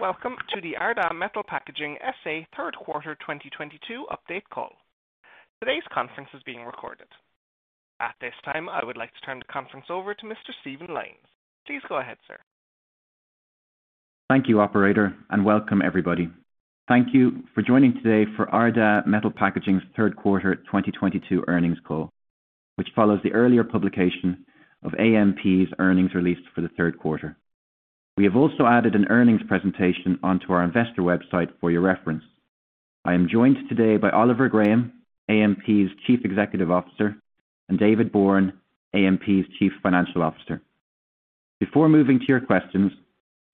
Welcome to the Ardagh Metal Packaging S.A. third quarter 2022 update call. Today's conference is being recorded. At this time, I would like to turn the conference over to Mr. Stephen Lyons. Please go ahead, sir. Thank you, operator, and welcome, everybody. Thank you for joining today for Ardagh Metal Packaging's third quarter 2022 earnings call, which follows the earlier publication of AMP's earnings release for the third quarter. We have also added an earnings presentation onto our investor website for your reference. I am joined today by Oliver Graham, AMP's Chief Executive Officer, and David Bourne, AMP's Chief Financial Officer. Before moving to your questions,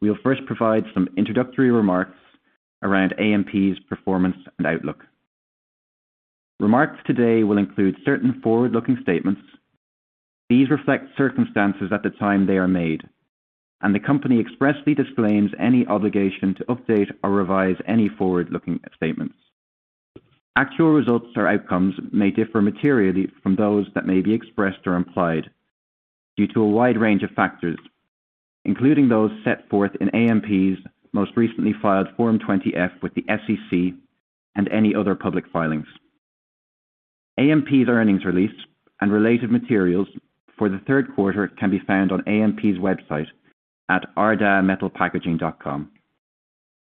we'll first provide some introductory remarks around AMP's performance and outlook. Remarks today will include certain forward-looking statements. These reflect circumstances at the time they are made, and the company expressly disclaims any obligation to update or revise any forward-looking statements. Actual results or outcomes may differ materially from those that may be expressed or implied due to a wide range of factors, including those set forth in AMP's most recently filed Form 20-F with the SEC and any other public filings. AMP's earnings release and related materials for the third quarter can be found on AMP's website at ardaghmetalpackaging.com.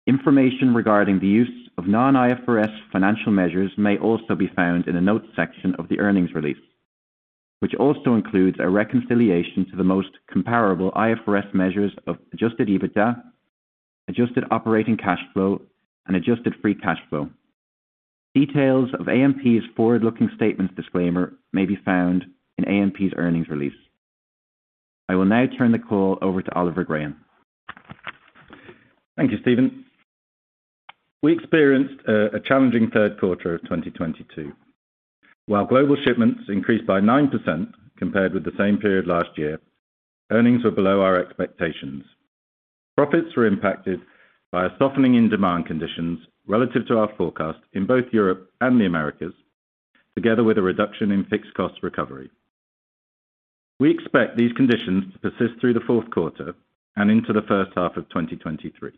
Information regarding the use of non-IFRS financial measures may also be found in the notes section of the earnings release, which also includes a reconciliation to the most comparable IFRS measures of adjusted EBITDA, adjusted operating cash flow, and adjusted free cash flow. Details of AMP's forward-looking statements disclaimer may be found in AMP's earnings release. I will now turn the call over to Oliver Graham. Thank you, Stephen. We experienced a challenging third quarter of 2022. While global shipments increased by 9% compared with the same period last year, earnings were below our expectations. Profits were impacted by a softening in demand conditions relative to our forecast in both Europe and the Americas, together with a reduction in fixed cost recovery. We expect these conditions to persist through the fourth quarter and into the first half of 2023.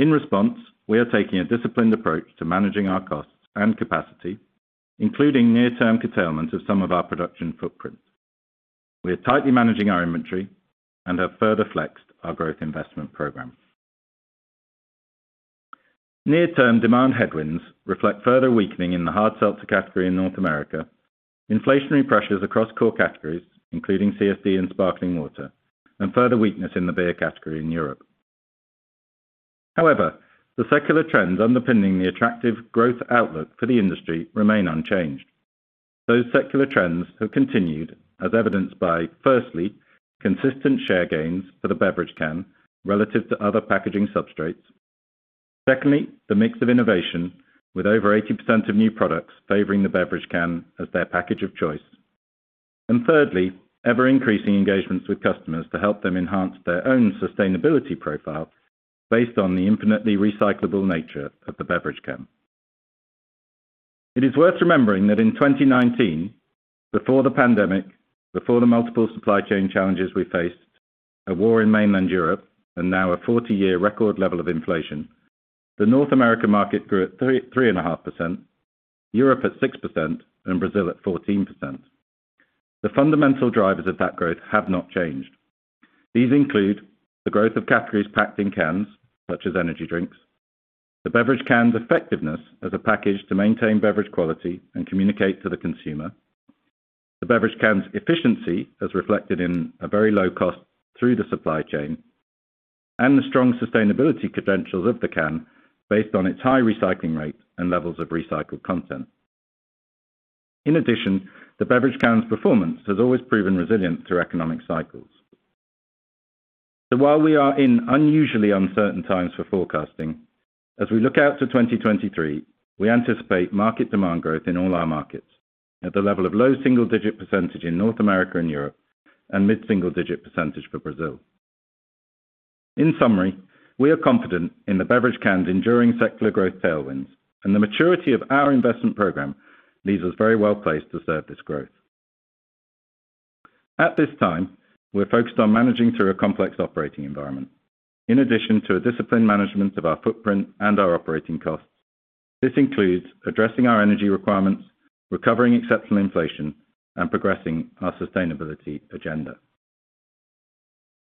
In response, we are taking a disciplined approach to managing our costs and capacity, including near-term curtailment of some of our production footprints. We are tightly managing our inventory and have further flexed our growth investment program. Near-term demand headwinds reflect further weakening in the hard seltzer category in North America, inflationary pressures across core categories, including CSD and sparkling water, and further weakness in the beer category in Europe. However, the secular trends underpinning the attractive growth outlook for the industry remain unchanged. Those secular trends have continued as evidenced by, firstly, consistent share gains for the beverage can relative to other packaging substrates. Secondly, the mix of innovation with over 80% of new products favoring the beverage can as their package of choice. And thirdly, ever-increasing engagements with customers to help them enhance their own sustainability profile based on the infinitely recyclable nature of the beverage can. It is worth remembering that in 2019, before the pandemic, before the multiple supply chain challenges we faced, a war in mainland Europe, and now a 40-year record level of inflation, the North American market grew at 33.5%, Europe at 6%, and Brazil at 14%. The fundamental drivers of that growth have not changed. These include the growth of categories packed in cans, such as energy drinks, the beverage can's effectiveness as a package to maintain beverage quality and communicate to the consumer, the beverage can's efficiency, as reflected in a very low cost through the supply chain, and the strong sustainability credentials of the can based on its high recycling rate and levels of recycled content. In addition, the beverage can's performance has always proven resilient through economic cycles. While we are in unusually uncertain times for forecasting, as we look out to 2023, we anticipate market demand growth in all our markets at the level of low single-digit % in North America and Europe, and mid-single-digit % for Brazil. In summary, we are confident in the beverage can's enduring secular growth tailwinds, and the maturity of our investment program leaves us very well placed to serve this growth. At this time, we're focused on managing through a complex operating environment. In addition to a disciplined management of our footprint and our operating costs, this includes addressing our energy requirements, recovering exceptional inflation, and progressing our sustainability agenda.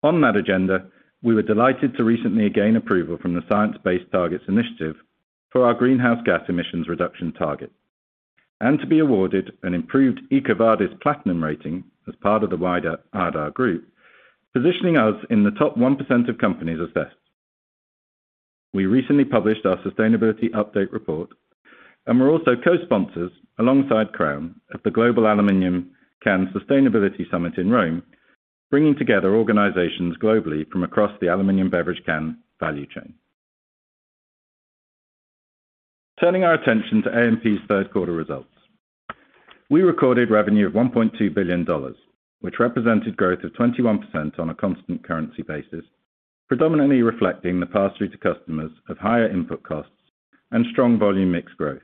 On that agenda, we were delighted to recently gain approval from the Science Based Targets initiative for our greenhouse gas emissions reduction target and to be awarded an improved EcoVadis Platinum rating as part of the wider Ardagh Group, positioning us in the top 1% of companies assessed. We recently published our sustainability update report and we're also co-sponsors, alongside Crown, of the Global Aluminum Can Sustainability Summit in Rome, bringing together organizations globally from across the aluminum beverage can value chain. Turning our attention to AMP's third quarter results. We recorded revenue of $1.2 billion, which represented growth of 21% on a constant currency basis, predominantly reflecting the pass-through to customers of higher input costs and strong volume mix growth.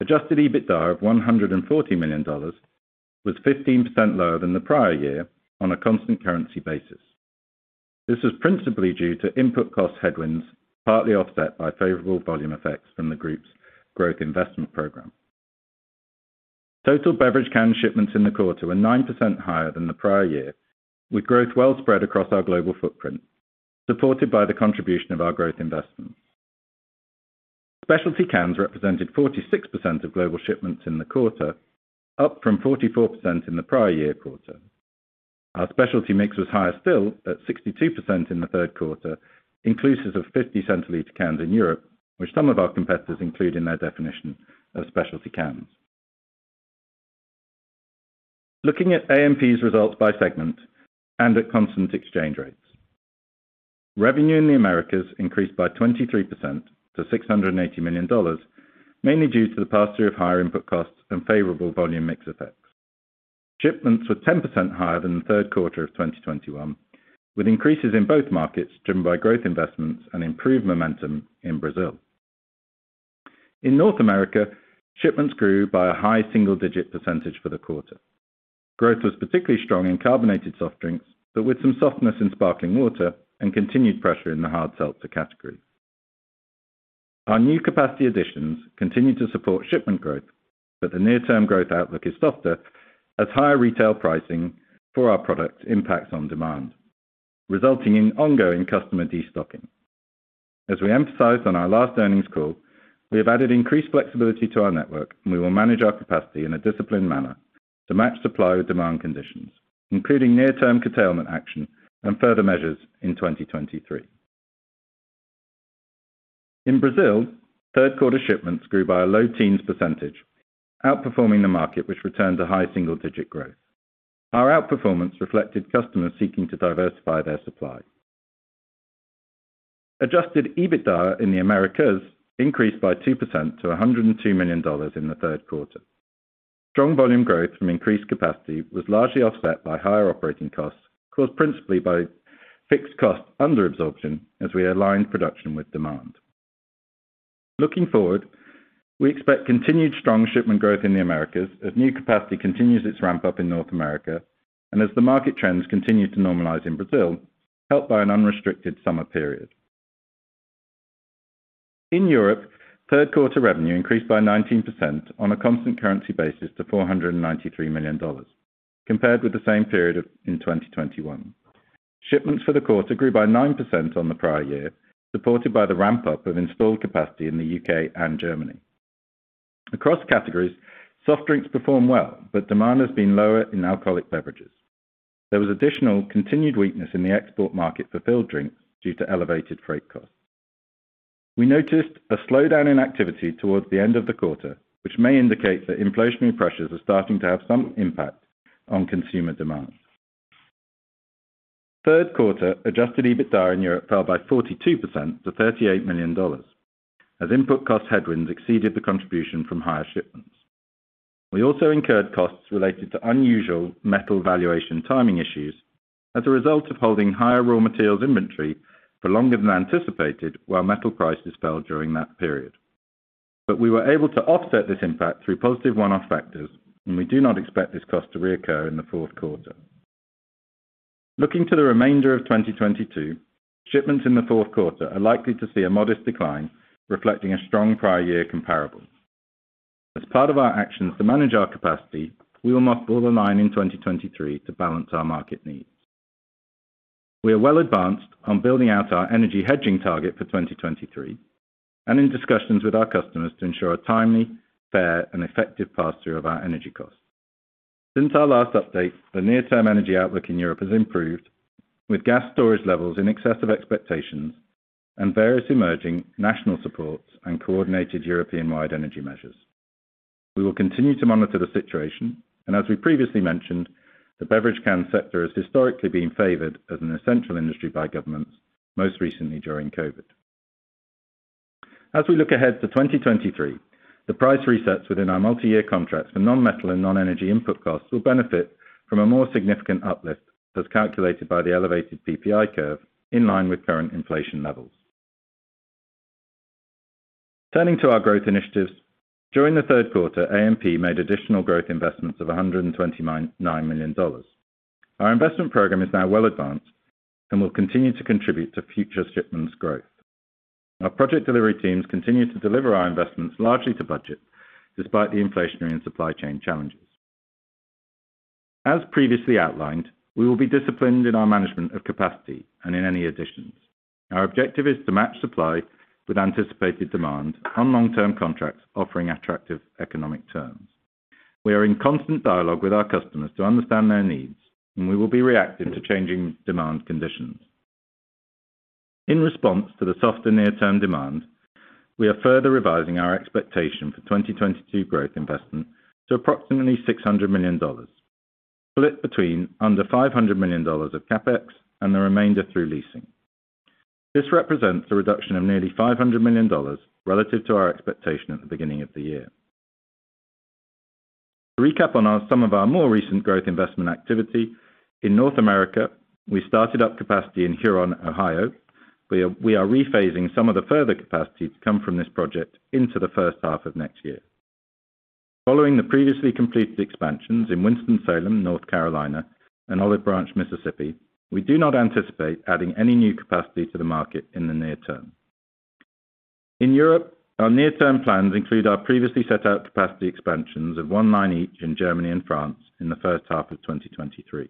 Adjusted EBITDA of $140 million was 15% lower than the prior year on a constant currency basis. This is principally due to input cost headwinds, partly offset by favorable volume effects from the group's growth investment program. Total beverage can shipments in the quarter were 9% higher than the prior year, with growth well spread across our global footprint, supported by the contribution of our growth investments. Specialty cans represented 46% of global shipments in the quarter, up from 44% in the prior year quarter. Our specialty mix was higher still at 62% in the third quarter, inclusive of 50cL cans in Europe, which some of our competitors include in their definition of specialty cans. Looking at AMP's results by segment and at constant exchange rates. Revenue in the Americas increased by 23% to $680 million, mainly due to the pass-through of higher input costs and favorable volume mix effects. Shipments were 10% higher than the third quarter of 2021, with increases in both markets driven by growth investments and improved momentum in Brazil. In North America, shipments grew by a high single-digit percentage for the quarter. Growth was particularly strong in carbonated soft drinks, but with some softness in sparkling water and continued pressure in the hard seltzer category. Our new capacity additions continue to support shipment growth, but the near-term growth outlook is softer as higher retail pricing for our products impacts on demand, resulting in ongoing customer destocking. We emphasized on our last earnings call, we have added increased flexibility to our network, and we will manage our capacity in a disciplined manner to match supply with demand conditions, including near-term curtailment action and further measures in 2023. In Brazil, third quarter shipments grew by a low teens%, outperforming the market, which returned to high single-digit growth. Our outperformance reflected customers seeking to diversify their supply. Adjusted EBITDA in the Americas increased by 2% to $102 million in the third quarter. Strong volume growth from increased capacity was largely offset by higher operating costs caused principally by fixed costs under absorption as we aligned production with demand. Looking forward, we expect continued strong shipment growth in the Americas as new capacity continues its ramp up in North America and as the market trends continue to normalize in Brazil, helped by an unrestricted summer period. In Europe, third quarter revenue increased by 19% on a constant currency basis to $493 million, compared with the same period in 2021. Shipments for the quarter grew by 9% on the prior year, supported by the ramp-up of installed capacity in the UK and Germany. Across categories, soft drinks perform well, but demand has been lower in alcoholic beverages. There was additional continued weakness in the export market for filled drinks due to elevated freight costs. We noticed a slowdown in activity towards the end of the quarter, which may indicate that inflationary pressures are starting to have some impact on consumer demand. Third quarter adjusted EBITDA in Europe fell by 42% to $38 million as input cost headwinds exceeded the contribution from higher shipments. We also incurred costs related to unusual metal valuation timing issues as a result of holding higher raw materials inventory for longer than anticipated while metal prices fell during that period. We were able to offset this impact through positive one-off factors, and we do not expect this cost to reoccur in the fourth quarter. Looking to the remainder of 2022, shipments in the fourth quarter are likely to see a modest decline, reflecting a strong prior year comparable. As part of our actions to manage our capacity, we will mothball a line in 2023 to balance our market needs. We are well advanced on building out our energy hedging target for 2023 and in discussions with our customers to ensure a timely, fair, and effective pass-through of our energy costs. Since our last update, the near term energy outlook in Europe has improved with gas storage levels in excess of expectations and various emerging national supports and coordinated European-wide energy measures. We will continue to monitor the situation. As we previously mentioned, the beverage can sector has historically been favored as an essential industry by governments, most recently during COVID. As we look ahead to 2023, the price resets within our multi-year contracts for non-metal and non-energy input costs will benefit from a more significant uplift as calculated by the elevated PPI curve in line with current inflation levels. Turning to our growth initiatives, during the third quarter, AMP made additional growth investments of $129 million. Our investment program is now well advanced and will continue to contribute to future shipments growth. Our project delivery teams continue to deliver our investments largely to budget despite the inflationary and supply chain challenges. As previously outlined, we will be disciplined in our management of capacity and in any additions. Our objective is to match supply with anticipated demand on long-term contracts offering attractive economic terms. We are in constant dialogue with our customers to understand their needs, and we will be reactive to changing demand conditions. In response to the softer near-term demand, we are further revising our expectation for 2022 growth investment to approximately $600 million, split between under $500 million of CapEx and the remainder through leasing. This represents a reduction of nearly $500 million relative to our expectation at the beginning of the year. To recap on some of our more recent growth investment activity, in North America, we started up capacity in Huron, Ohio. We are rephasing some of the further capacity to come from this project into the first half of next year. Following the previously completed expansions in Winston-Salem, North Carolina, and Olive Branch, Mississippi, we do not anticipate adding any new capacity to the market in the near term. In Europe, our near-term plans include our previously set out capacity expansions of one line each in Germany and France in the first half of 2023.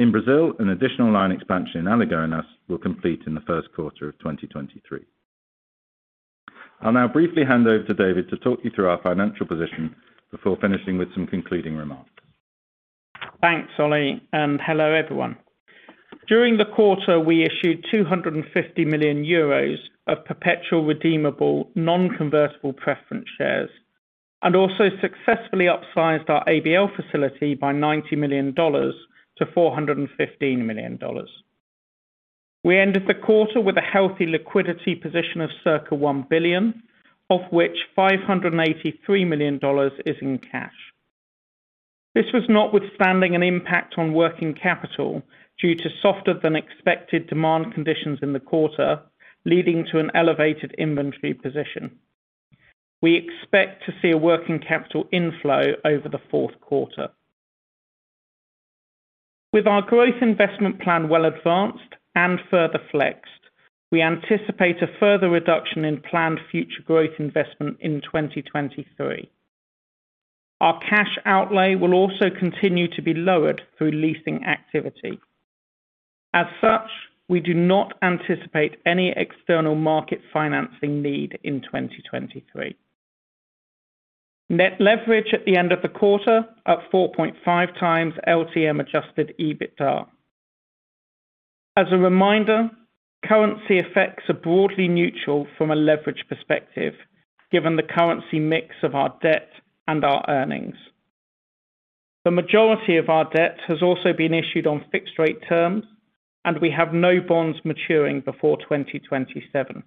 In Brazil, an additional line expansion in Alagoinhas will complete in the first quarter of 2023. I'll now briefly hand over to David to talk you through our financial position before finishing with some concluding remarks. Thanks, Oli, and hello, everyone. During the quarter, we issued 250 million euros of perpetual redeemable non-convertible preference shares and also successfully upsized our ABL facility by $90 million-$415 million. We ended the quarter with a healthy liquidity position of circa $1 billion, of which $583 million is in cash. This was notwithstanding an impact on working capital due to softer than expected demand conditions in the quarter, leading to an elevated inventory position. We expect to see a working capital inflow over the fourth quarter. With our growth investment plan well advanced and further flexed, we anticipate a further reduction in planned future growth investment in 2023. Our cash outlay will also continue to be lowered through leasing activity. As such, we do not anticipate any external market financing need in 2023. Net leverage at the end of the quarter up 4.5x LTM adjusted EBITDA. As a reminder, currency effects are broadly neutral from a leverage perspective, given the currency mix of our debt and our earnings. The majority of our debt has also been issued on fixed rate terms, and we have no bonds maturing before 2027.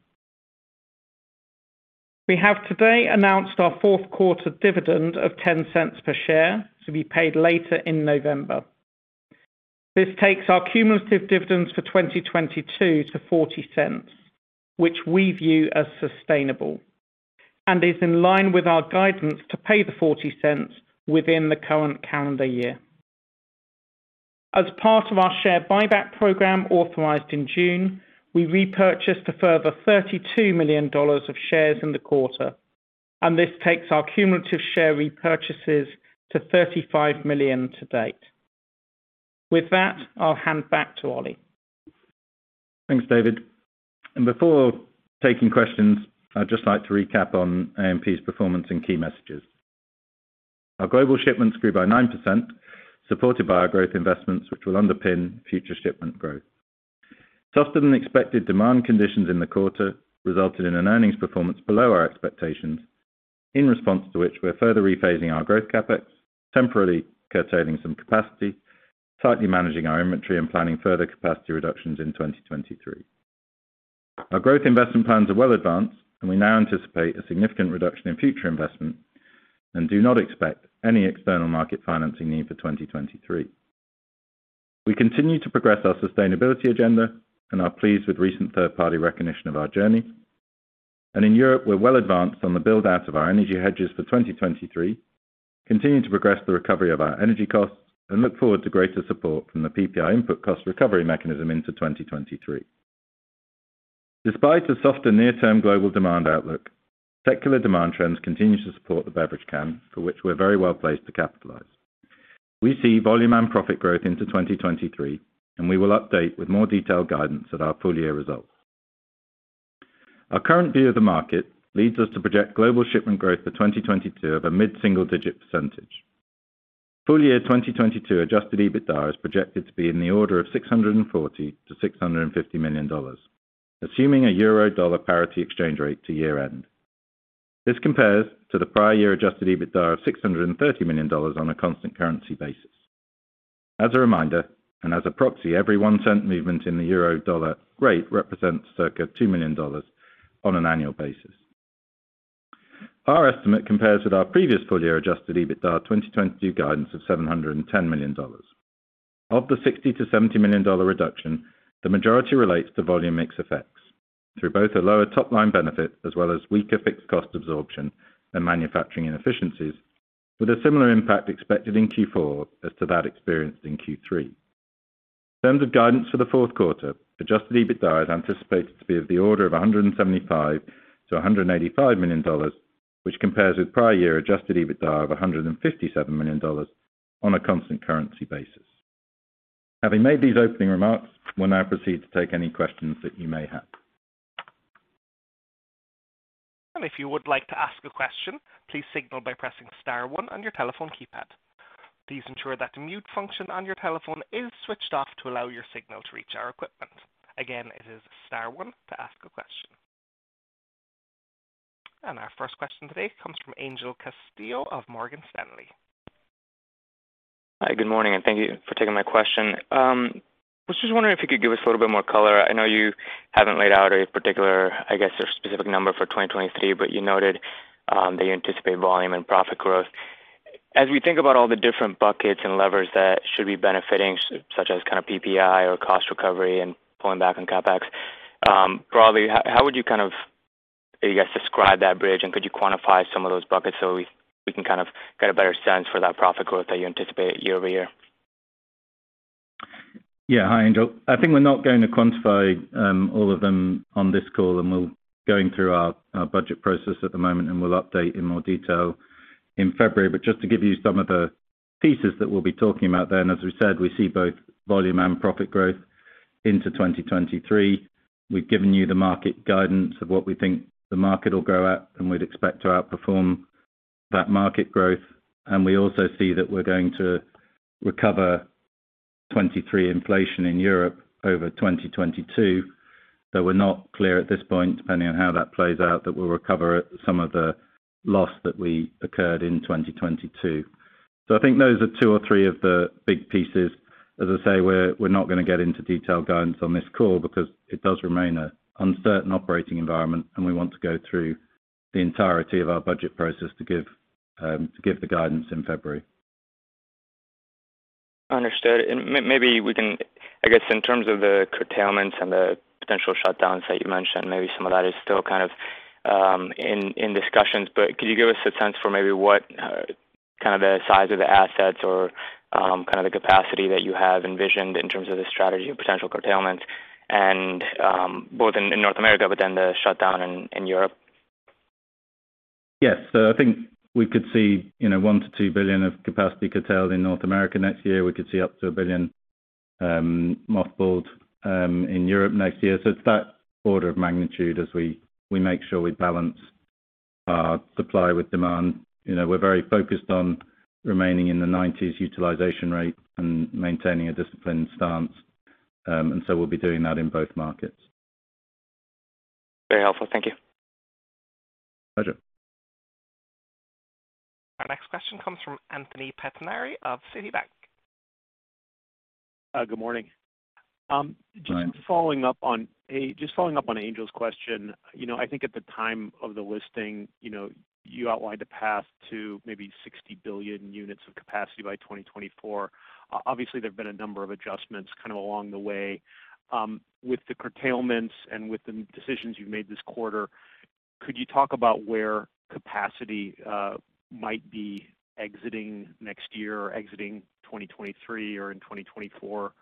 We have today announced our fourth quarter dividend of $0.10 per share to be paid later in November. This takes our cumulative dividends for 2022 to $0.40, which we view as sustainable and is in line with our guidance to pay the $0.40 within the current calendar year. As part of our share buyback program authorized in June, we repurchased a further $32 million of shares in the quarter, and this takes our cumulative share repurchases to $35 million to date. With that, I'll hand back to Oli. Thanks, David. Before taking questions, I'd just like to recap on AMP's performance and key messages. Our global shipments grew by 9%, supported by our growth investments, which will underpin future shipment growth. Softer than expected demand conditions in the quarter resulted in an earnings performance below our expectations in response to which we're further rephasing our growth CapEx, temporarily curtailing some capacity, tightly managing our inventory, and planning further capacity reductions in 2023. Our growth investment plans are well advanced, and we now anticipate a significant reduction in future investment and do not expect any external market financing need for 2023. We continue to progress our sustainability agenda and are pleased with recent third-party recognition of our journey. In Europe, we're well advanced on the build-out of our energy hedges for 2023, continue to progress the recovery of our energy costs, and look forward to greater support from the PPI input cost recovery mechanism into 2023. Despite the softer near-term global demand outlook, secular demand trends continue to support the beverage can for which we're very well placed to capitalize. We see volume and profit growth into 2023, and we will update with more detailed guidance at our full year results. Our current view of the market leads us to project global shipment growth for 2022 of a mid-single-digit %. Full year 2022 adjusted EBITDA is projected to be in the order of $640 million-$650 million, assuming a euro-dollar parity exchange rate to year-end. This compares to the prior year adjusted EBITDA of $630 million on a constant currency basis. As a reminder, and as a proxy, every one cent movement in the euro dollar rate represents circa $2 million on an annual basis. Our estimate compares with our previous full year adjusted EBITDA 2022 guidance of $710 million. Of the $60 million-$70 million reduction, the majority relates to volume mix effects through both a lower top-line benefit as well as weaker fixed cost absorption and manufacturing inefficiencies with a similar impact expected in Q4 as to that experienced in Q3. In terms of guidance for the fourth quarter, adjusted EBITDA is anticipated to be of the order of $175 million-$185 million, which compares with prior year adjusted EBITDA of $157 million on a constant currency basis. Having made these opening remarks, we'll now proceed to take any questions that you may have. If you would like to ask a question, please signal by pressing star one on your telephone keypad. Please ensure that the mute function on your telephone is switched off to allow your signal to reach our equipment. Again, it is star one to ask a question. Our first question today comes from Angel Castillo of Morgan Stanley. Hi, good morning, and thank you for taking my question. I was just wondering if you could give us a little bit more color. I know you haven't laid out a particular, I guess, or specific number for 2023, but you noted that you anticipate volume and profit growth. As we think about all the different buckets and levers that should be benefiting, such as kind of PPI or cost recovery and pulling back on CapEx, broadly, how would you kind of, I guess, describe that bridge, and could you quantify some of those buckets so we can kind of get a better sense for that profit growth that you anticipate year-over-year? Yeah. Hi, Angel. I think we're not going to quantify all of them on this call, and we're going through our budget process at the moment, and we'll update in more detail in February. Just to give you some of the pieces that we'll be talking about then, as we said, we see both volume and profit growth into 2023. We've given you the market guidance of what we think the market will grow at, and we'd expect to outperform that market growth. We also see that we're going to recover 2023 inflation in Europe over 2022, though we're not clear at this point, depending on how that plays out, that we'll recover some of the loss that we incurred in 2022. I think those are two or three of the big pieces. As I say, we're not gonna get into detailed guidance on this call because it does remain an uncertain operating environment, and we want to go through the entirety of our budget process to give the guidance in February. Understood. Maybe I guess, in terms of the curtailments and the potential shutdowns that you mentioned, maybe some of that is still kind of in discussions, but could you give us a sense for maybe what kind of the size of the assets or kind of the capacity that you have envisioned in terms of the strategy of potential curtailment and both in North America, but then the shutdown in Europe? Yes. I think we could see, you know, one to two billion of capacity curtailed in North America next year. We could see up to one billion mothballed in Europe next year. It's that order of magnitude as we make sure we balance our supply with demand. You know, we're very focused on remaining in the 90s utilization rate and maintaining a disciplined stance. We'll be doing that in both markets. Very helpful. Thank you. Pleasure. Our next question comes from Anthony Pettinari of Citibank. Good morning. Hi. Hey, just following up on Angel's question. You know, I think at the time of the listing, you know, you outlined a path to maybe 60 billion units of capacity by 2024. Obviously, there have been a number of adjustments kind of along the way. With the curtailments and with the decisions you've made this quarter, could you talk about where capacity might be exiting next year or exiting 2023 or in 2024?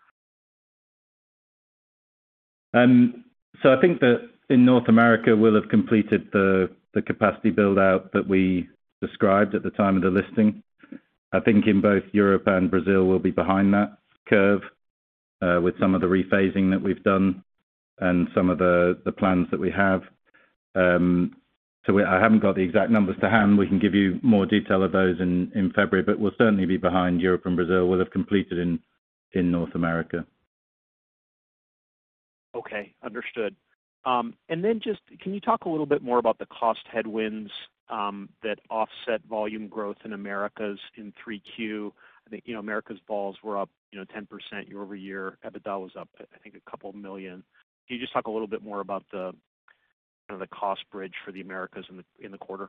I think that in North America, we'll have completed the capacity build-out that we described at the time of the listing. I think in both Europe and Brazil, we'll be behind that curve with some of the rephasing that we've done and some of the plans that we have. I haven't got the exact numbers to hand. We can give you more detail of those in February, but we'll certainly be behind in Europe and Brazil. We'll have completed in North America. Okay. Understood. Just, can you talk a little bit more about the cost headwinds that offset volume growth in Americas in 3Q? I think, you know, Americas volumes were up, you know, 10% year-over-year. EBITDA was up, I think, $2 million. Can you just talk a little bit more about the kind of cost bridge for the Americas in the quarter?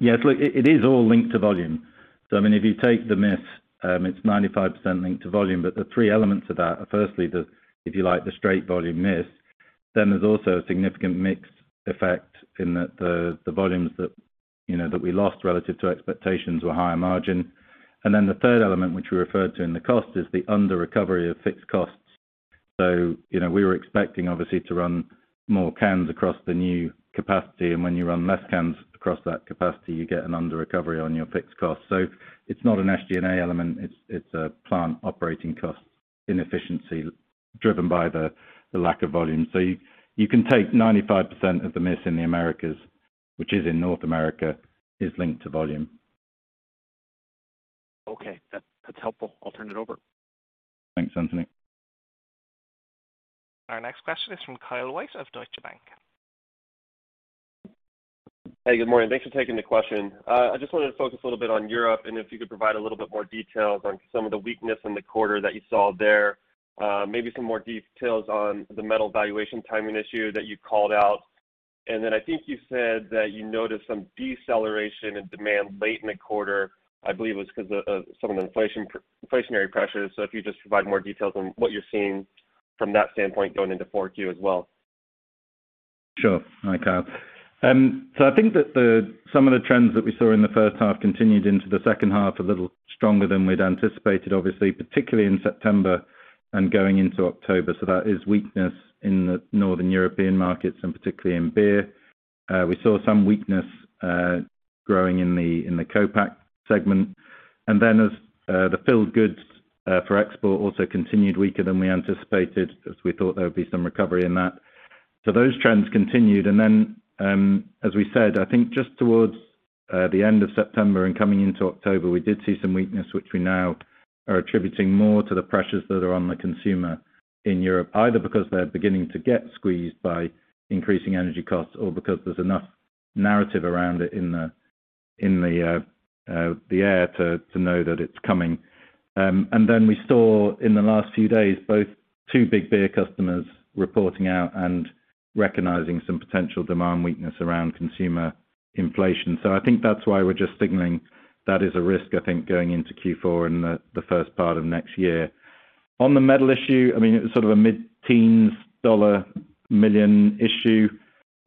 Yeah. It's like it is all linked to volume. I mean, if you take the miss, it's 95% linked to volume, but the three elements of that are firstly the, if you like, the straight volume miss. There's also a significant mix effect in that the volumes that, you know, that we lost relative to expectations were higher margin. The third element which we referred to in the cost is the under recovery of fixed costs. You know, we were expecting obviously to run more cans across the new capacity, and when you run less cans across that capacity, you get an under recovery on your fixed cost. It's not an SG&A element, it's a plant operating cost inefficiency driven by the lack of volume. You can take 95% of the miss in the Americas, which is in North America, is linked to volume. Okay. That's helpful. I'll turn it over. Thanks, Anthony. Our next question is from Kyle White of Deutsche Bank. Hey, good morning. Thanks for taking the question. I just wanted to focus a little bit on Europe and if you could provide a little bit more details on some of the weakness in the quarter that you saw there. Maybe some more details on the metal valuation timing issue that you called out. I think you said that you noticed some deceleration in demand late in the quarter, I believe it was because of some of the inflationary pressures. If you could just provide more details on what you're seeing from that standpoint going into Q4 as well. Sure. Hi, Kyle. I think that some of the trends that we saw in the first half continued into the second half, a little stronger than we'd anticipated, obviously, particularly in September and going into October. That is weakness in the Northern European markets and particularly in beer. We saw some weakness growing in the co-pack segment. Then the filled goods for export also continued weaker than we anticipated, as we thought there would be some recovery in that. Those trends continued. As we said, I think just towards the end of September and coming into October, we did see some weakness, which we now are attributing more to the pressures that are on the consumer in Europe, either because they're beginning to get squeezed by increasing energy costs or because there's enough narrative around it in the air to know that it's coming. We saw in the last few days both two big beer customers reporting out and recognizing some potential demand weakness around consumer inflation. I think that's why we're just signaling that is a risk, I think, going into Q4 and the first part of next year. On the metal issue, I mean, it was sort of a mid-teens dollar million issue.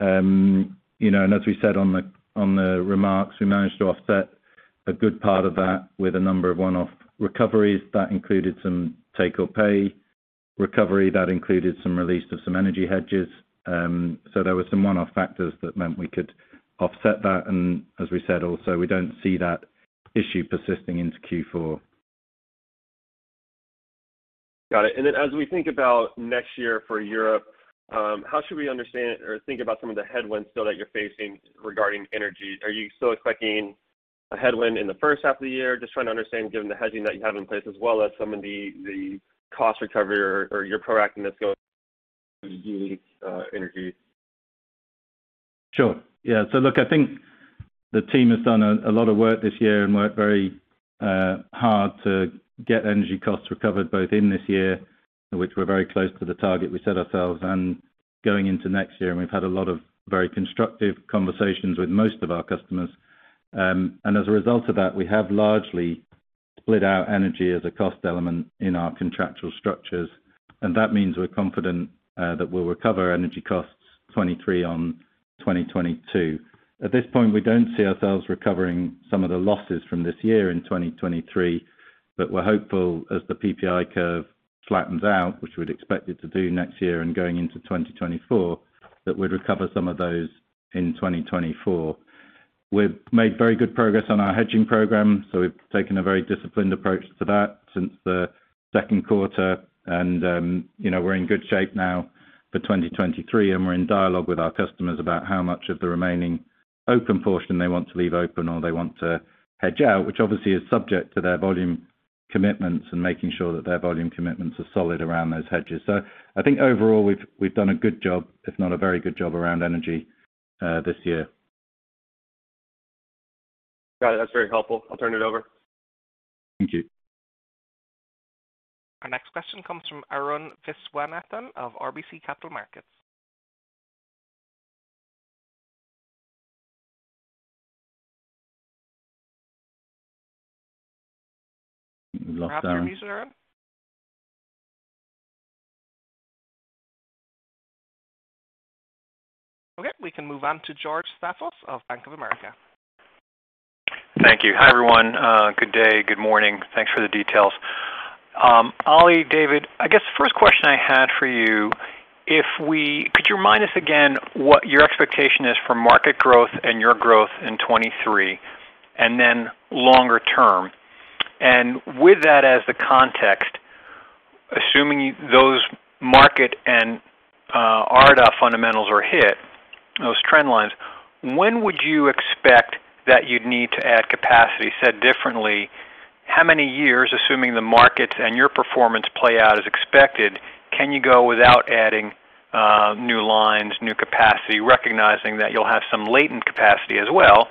You know, as we said on the remarks, we managed to offset a good part of that with a number of one-off recoveries that included some take-or-pay recovery, that included some release of some energy hedges. There were some one-off factors that meant we could offset that. As we said also, we don't see that issue persisting into Q4. Got it. As we think about next year for Europe, how should we understand or think about some of the headwinds still that you're facing regarding energy? Are you still expecting a headwind in the first half of the year? Just trying to understand, given the hedging that you have in place as well as some of the cost recovery or your proactiveness going unique energy. Sure. Yeah. Look, I think the team has done a lot of work this year and worked very hard to get energy costs recovered, both in this year, which we're very close to the target we set ourselves, and going into next year. We've had a lot of very constructive conversations with most of our customers. As a result of that, we have largely split out energy as a cost element in our contractual structures, and that means we're confident that we'll recover energy costs 2023 on 2022. At this point, we don't see ourselves recovering some of the losses from this year in 2023, but we're hopeful as the PPI curve flattens out, which we'd expect it to do next year and going into 2024, that we'd recover some of those in 2024. We've made very good progress on our hedging program, so we've taken a very disciplined approach to that since the second quarter. You know, we're in good shape now for 2023, and we're in dialogue with our customers about how much of the remaining open portion they want to leave open or they want to hedge out, which obviously is subject to their volume commitments and making sure that their volume commitments are solid around those hedges. I think overall, we've done a good job, if not a very good job, around energy, this year. Got it. That's very helpful. I'll turn it over. Thank you. Our next question comes from Arun Viswanathan of RBC Capital Markets. We've lost Arun. Operator, are you still around? Okay, we can move on to George Staphos of Bank of America. Thank you. Hi, everyone. Good day. Good morning. Thanks for the details. Oli, David, I guess the first question I had for you, could you remind us again what your expectation is for market growth and your growth in 2023, and then longer term? With that as the context, assuming those market and AMP fundamentals are hit, those trend lines, when would you expect that you'd need to add capacity? Said differently, how many years, assuming the markets and your performance play out as expected, can you go without adding new lines, new capacity, recognizing that you'll have some latent capacity as well,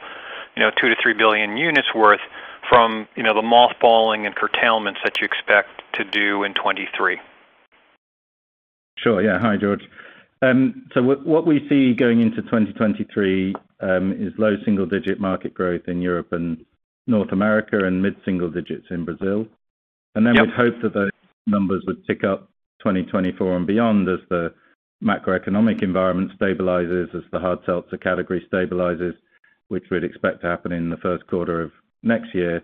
you know, 2-3 billion units worth from the mothballing and curtailments that you expect to do in 2023? Sure. Yeah. Hi, George. What we see going into 2023 is low single-digit market growth in Europe and North America and mid-single-digit in Brazil. Yeah. We'd hope that those numbers would tick up 2024 and beyond as the macroeconomic environment stabilizes, as the hard seltzer category stabilizes, which we'd expect to happen in the first quarter of next year.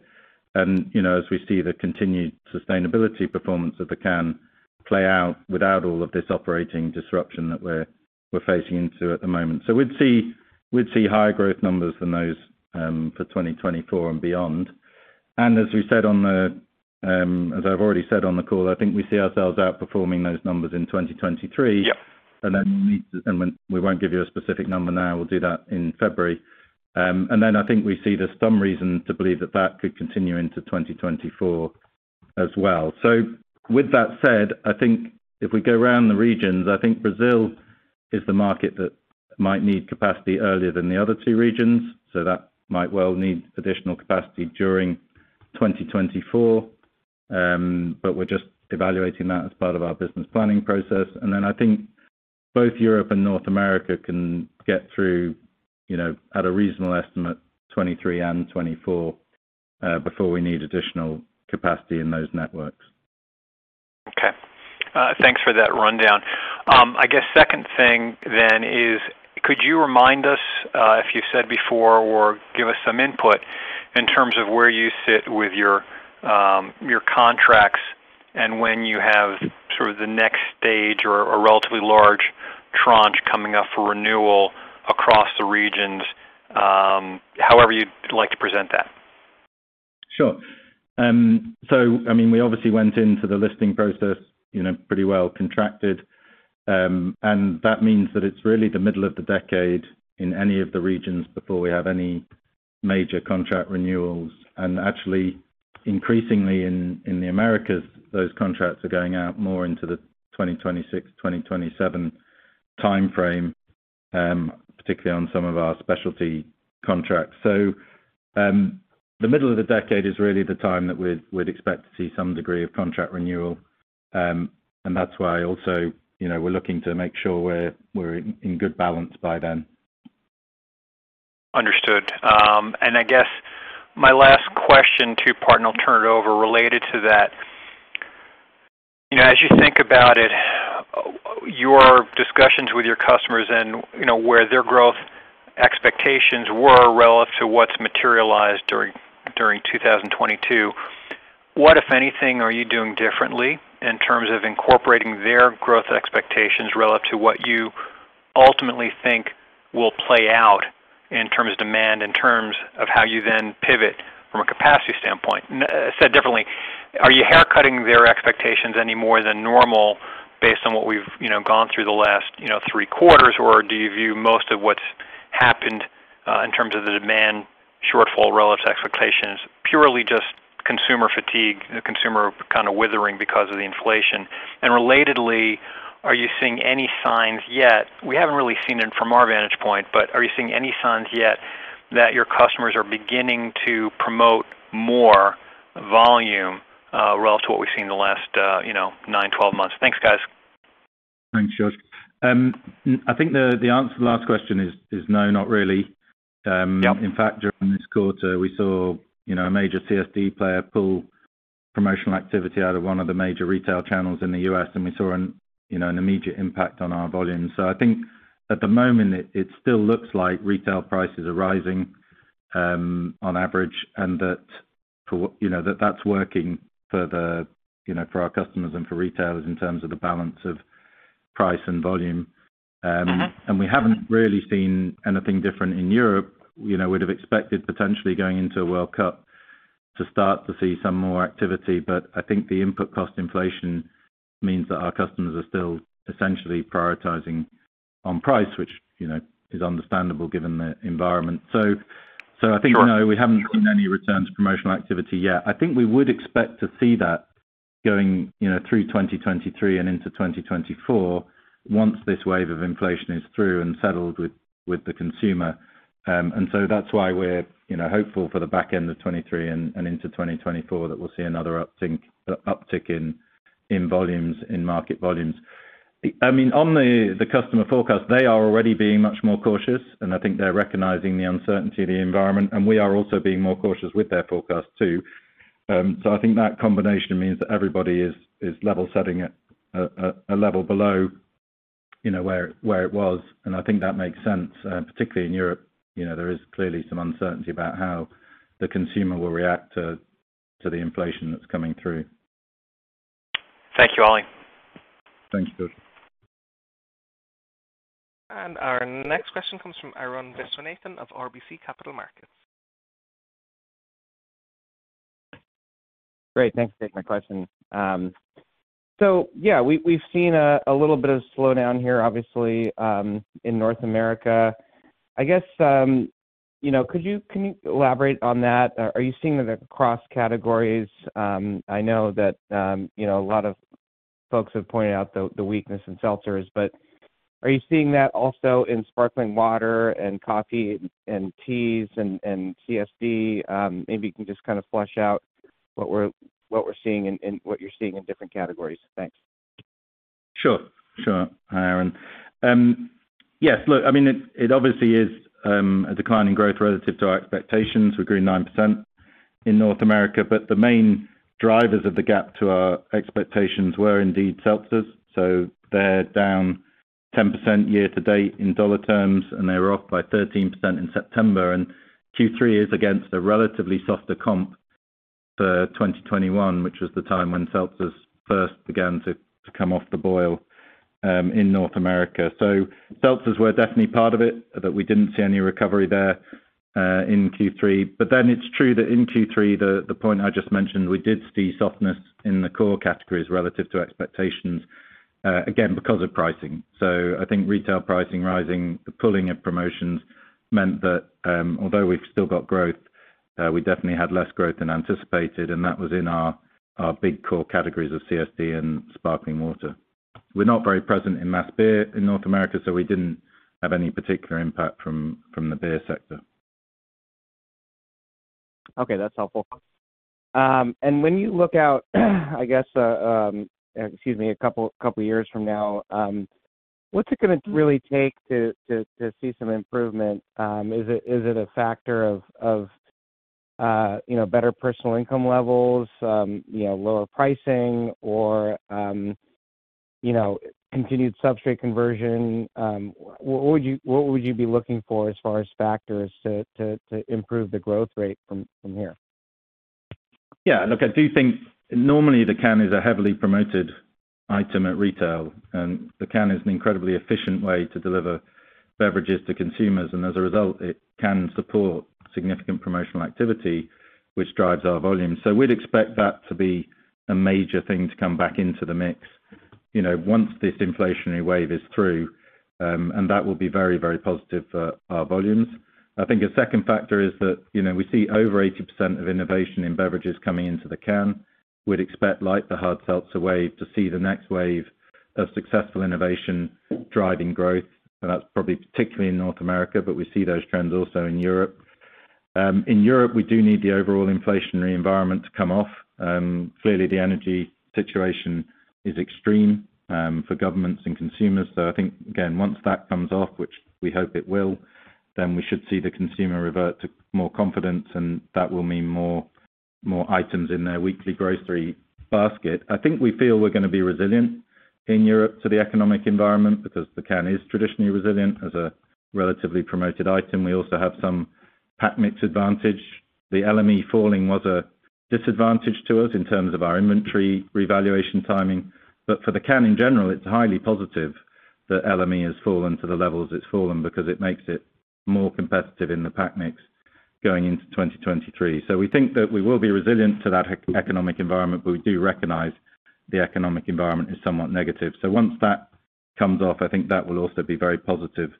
You know, as we see the continued sustainability performance of the can play out without all of this operating disruption that we're facing into at the moment. We'd see higher growth numbers than those for 2024 and beyond. As I've already said on the call, I think we see ourselves outperforming those numbers in 2023. Yep. We won't give you a specific number now, we'll do that in February. I think we see there's some reason to believe that that could continue into 2024 as well. I think if we go around the regions, I think Brazil is the market that might need capacity earlier than the other two regions. That might well need additional capacity during 2024. We're just evaluating that as part of our business planning process. I think both Europe and North America can get through, you know, at a reasonable estimate, 2023 and 2024, before we need additional capacity in those networks. Okay. Thanks for that rundown. I guess second thing then is could you remind us, if you said before or give us some input in terms of where you sit with your your contracts and when you have sort of the next stage or relatively large tranche coming up for renewal across the regions, however you'd like to present that? Sure. I mean, we obviously went into the listing process, you know, pretty well contracted. That means that it's really the middle of the decade in any of the regions before we have any major contract renewals. Actually increasingly in the Americas, those contracts are going out more into the 2026, 2027 timeframe, particularly on some of our specialty contracts. The middle of the decade is really the time that we'd expect to see some degree of contract renewal. That's why also, you know, we're looking to make sure we're in good balance by then. Understood. I guess my last question too, Pard, and I'll turn it over, related to that. You know, as you think about it, your discussions with your customers and, you know, where their growth expectations were relative to what's materialized during 2022, what, if anything, are you doing differently in terms of incorporating their growth expectations relative to what you ultimately think will play out in terms of demand, in terms of how you then pivot from a capacity standpoint? Said differently, are you haircutting their expectations any more than normal based on what we've, you know, gone through the last, you know, three quarters? Or do you view most of what's happened, in terms of the demand shortfall relative to expectations, purely just consumer fatigue, the consumer kind of withering because of the inflation? Relatedly, are you seeing any signs yet? We haven't really seen it from our vantage point, but are you seeing any signs yet that your customers are beginning to promote more volume relative to what we've seen in the last, you know, nine to 12 months? Thanks, guys. Thanks, George. I think the answer to the last question is no, not really. Yep. In fact, during this quarter, we saw, you know, a major CSD player pull promotional activity out of one of the major retail channels in the U.S., and we saw, you know, an immediate impact on our volumes. I think at the moment, it still looks like retail prices are rising on average, and that, you know, that's working for our customers and for retailers in terms of the balance of price and volume. Mm-hmm. We haven't really seen anything different in Europe. You know, we'd have expected potentially going into a World Cup to start to see some more activity, but I think the input cost inflation means that our customers are still essentially prioritizing on price, which, you know, is understandable given the environment. Sure. No, we haven't seen any return to promotional activity yet. I think we would expect to see that going, you know, through 2023 and into 2024 once this wave of inflation is through and settled with the consumer. That's why we're, you know, hopeful for the back end of 2023 and into 2024 that we'll see another uptick in volumes, in market volumes. I mean, on the customer forecast, they are already being much more cautious, and I think they're recognizing the uncertainty of the environment, and we are also being more cautious with their forecast too. I think that combination means that everybody is level setting at a level below, you know, where it was. I think that makes sense, particularly in Europe. You know, there is clearly some uncertainty about how the consumer will react to the inflation that's coming through. Thank you, Oli. Thanks, Josh. Our next question comes from Arun Viswanathan of RBC Capital Markets. Great. Thanks for taking my question. So yeah, we've seen a little bit of slowdown here obviously in North America. I guess you know, can you elaborate on that? Are you seeing it across categories? I know that you know, a lot of folks have pointed out the weakness in seltzers, but are you seeing that also in sparkling water and coffee and teas and CSD? Maybe you can just kind of flesh out what we're seeing and what you're seeing in different categories. Thanks. Sure, sure. Hi, Arun. Yes, look, I mean, it obviously is a decline in growth relative to our expectations. We grew 9% in North America, but the main drivers of the gap to our expectations were indeed seltzers. They're down 10% year to date in dollar terms, and they were off by 13% in September. Q3 is against a relatively softer comp for 2021, which was the time when seltzers first began to come off the boil in North America. Seltzers were definitely part of it, but we didn't see any recovery there in Q3. It's true that in Q3, the point I just mentioned, we did see softness in the core categories relative to expectations again, because of pricing. I think retail pricing rising, the pulling of promotions meant that, although we've still got growth, we definitely had less growth than anticipated, and that was in our big core categories of CSD and sparkling water. We're not very present in mass beer in North America, so we didn't have any particular impact from the beer sector. Okay, that's helpful. When you look out, I guess, excuse me, a couple years from now, what's it gonna really take to see some improvement? Is it a factor of, you know, better personal income levels, you know, lower pricing or, you know, continued substrate conversion? What would you be looking for as far as factors to improve the growth rate from here? Look, I do think normally the can is a heavily promoted item at retail, and the can is an incredibly efficient way to deliver beverages to consumers. As a result, it can support significant promotional activity, which drives our volumes. We'd expect that to be a major thing to come back into the mix. You know, once this inflationary wave is through, and that will be very, very positive for our volumes. I think a second factor is that, you know, we see over 80% of innovation in beverages coming into the can. We'd expect like the hard seltzer wave to see the next wave of successful innovation driving growth. That's probably particularly in North America, but we see those trends also in Europe. In Europe, we do need the overall inflationary environment to come off. Clearly the energy situation is extreme for governments and consumers. I think, again, once that comes off, which we hope it will, then we should see the consumer revert to more confidence, and that will mean more items in their weekly grocery basket. I think we feel we're gonna be resilient in Europe to the economic environment because the can is traditionally resilient as a relatively promoted item. We also have some pack mix advantage. The LME falling was a disadvantage to us in terms of our inventory revaluation timing. For the can in general, it's highly positive that LME has fallen to the levels it's fallen because it makes it more competitive in the pack mix going into 2023. We think that we will be resilient to that economic environment, but we do recognize the economic environment is somewhat negative. Once that comes off, I think that will also be very positive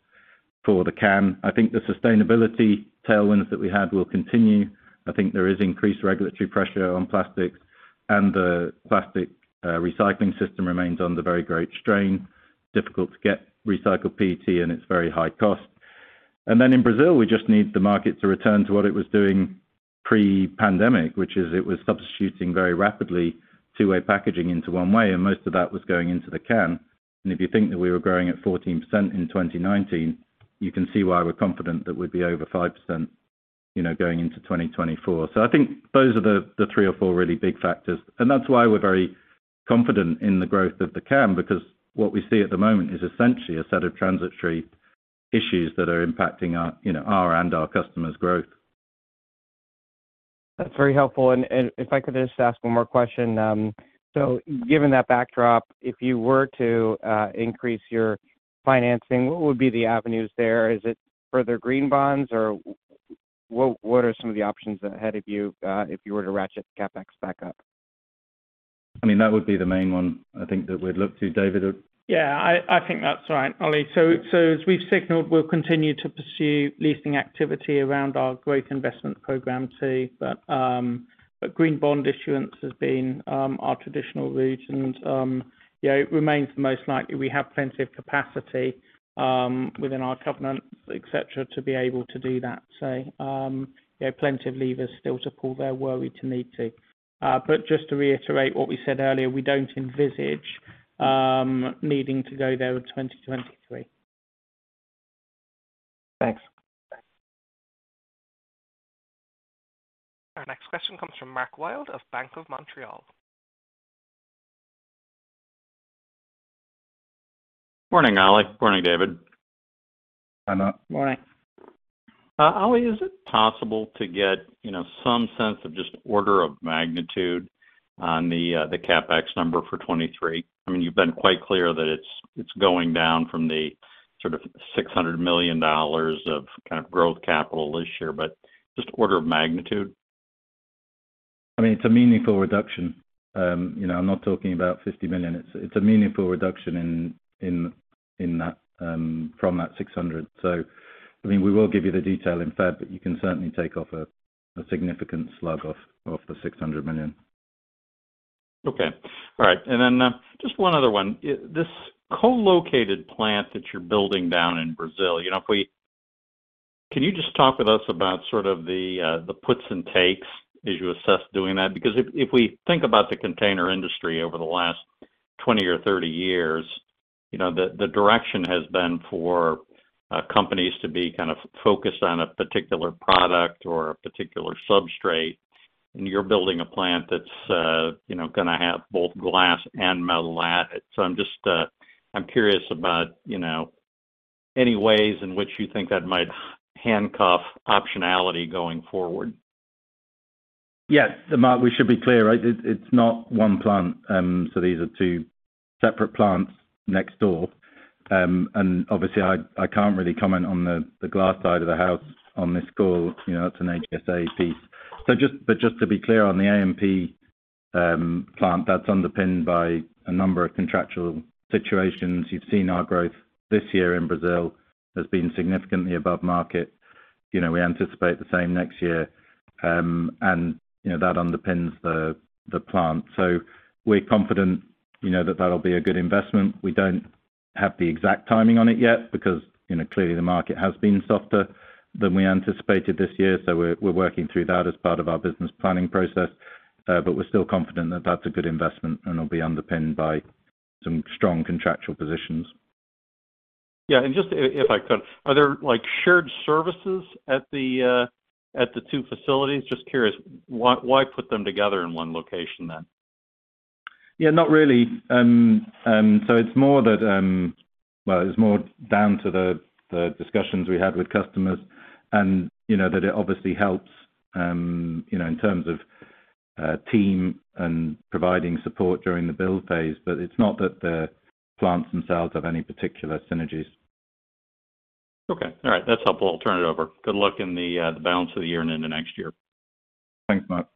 for the can. I think the sustainability tailwinds that we have will continue. I think there is increased regulatory pressure on plastics and the plastic recycling system remains under very great strain. Difficult to get recycled PET, and it's very high cost. Then in Brazil, we just need the market to return to what it was doing pre-pandemic, which is it was substituting very rapidly two-way packaging into one way, and most of that was going into the can. If you think that we were growing at 14% in 2019, you can see why we're confident that we'd be over 5%, you know, going into 2024. I think those are the three or four really big factors, and that's why we're very confident in the growth of the can, because what we see at the moment is essentially a set of transitory issues that are impacting our, you know, and our customers' growth. That's very helpful. If I could just ask one more question. Given that backdrop, if you were to increase your financing, what would be the avenues there? Is it further green bonds? Or what are some of the options ahead of you, if you were to ratchet the CapEx back up? I mean, that would be the main one I think that we'd look to. Yeah. I think that's right, Oli. As we've signaled, we'll continue to pursue leasing activity around our growth investment program too. Green bond issuance has been our traditional route and you know, it remains the most likely. We have plenty of capacity within our covenant, et cetera, to be able to do that. We have plenty of levers still to pull there were we to need to. Just to reiterate what we said earlier, we don't envisage needing to go there in 2023. Thanks. Our next question comes from Mark Wilde of Bank of Montreal. Morning, Oli. Morning, David. Hi, Mark. Morning. Oli, is it possible to get, you know, some sense of just order of magnitude on the CapEx number for 2023? I mean, you've been quite clear that it's going down from the sort of $600 million of kind of growth capital this year, but just order of magnitude. I mean, it's a meaningful reduction. You know, I'm not talking about $50 million. It's a meaningful reduction in that from that $600 million. I mean, we will give you the detail in February, but you can certainly take off a significant slug off the $600 million. Okay. All right. Just one other one. This co-located plant that you're building down in Brazil, you know. Can you just talk with us about sort of the puts and takes as you assess doing that? Because if we think about the container industry over the last 20 or 30 years, you know, the direction has been for companies to be kind of focused on a particular product or a particular substrate, and you're building a plant that's, you know, gonna have both glass and metal at it. I'm just curious about, you know, any ways in which you think that might handcuff optionality going forward. Yes. Mark, we should be clear, right? It's not one plant, so these are two separate plants next door. Obviously I can't really comment on the glass side of the house on this call. You know, that's an HSA piece. Just to be clear on the AMP plant that's underpinned by a number of contractual situations. You've seen our growth this year in Brazil has been significantly above market. You know, we anticipate the same next year. You know that underpins the plant. We're confident, you know, that that'll be a good investment. We don't have the exact timing on it yet because, you know, clearly the market has been softer than we anticipated this year, so we're working through that as part of our business planning process. We're still confident that that's a good investment and it'll be underpinned by some strong contractual positions. Yeah. Just if I could, are there like shared services at the two facilities? Just curious why put them together in one location then? Yeah. Not really. It's more that. Well, it's more down to the discussions we had with customers and, you know, that it obviously helps, you know, in terms of team and providing support during the build phase. It's not that the plants themselves have any particular synergies. Okay. All right. That's helpful. I'll turn it over. Good luck in the balance of the year and into next year. Thanks, Mark.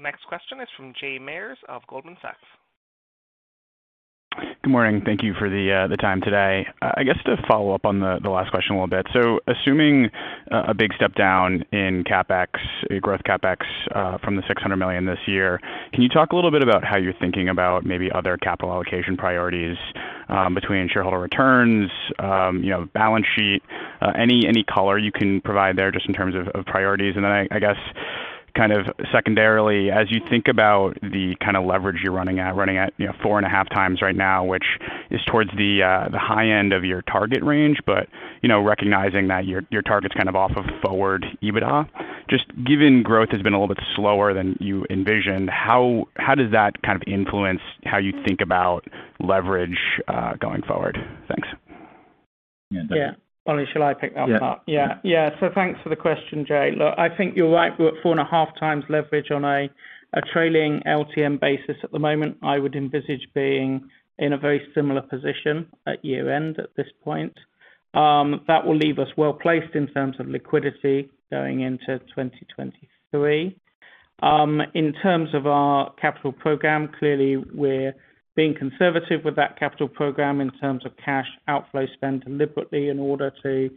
The next question is from Jay Mayers of Goldman Sachs. Good morning. Thank you for the time today. I guess to follow up on the last question a little bit. Assuming a big step down in CapEx, growth CapEx, from the $600 million this year, can you talk a little bit about how you're thinking about maybe other capital allocation priorities, between shareholder returns, you know, balance sheet? Any color you can provide there just in terms of priorities. I guess kind of secondarily, as you think about the kind of leverage you're running at, you know, 4.5 times right now, which is towards the high-end of your target range, but you know, recognizing that your target's kind of off of forward EBITDA. Just given growth has been a little bit slower than you envisioned, how does that kind of influence how you think about leverage going forward? Thanks. Yeah, David. Yeah. Oli, shall I pick that part? Yeah. Thanks for the question, Jay. Look, I think you're right. We're at 4.5x leverage on a trailing LTM basis at the moment. I would envisage being in a very similar position at year-end at this point. That will leave us well-placed in terms of liquidity going into 2023. In terms of our capital program, clearly we're being conservative with that capital program in terms of cash outflow spend deliberately in order to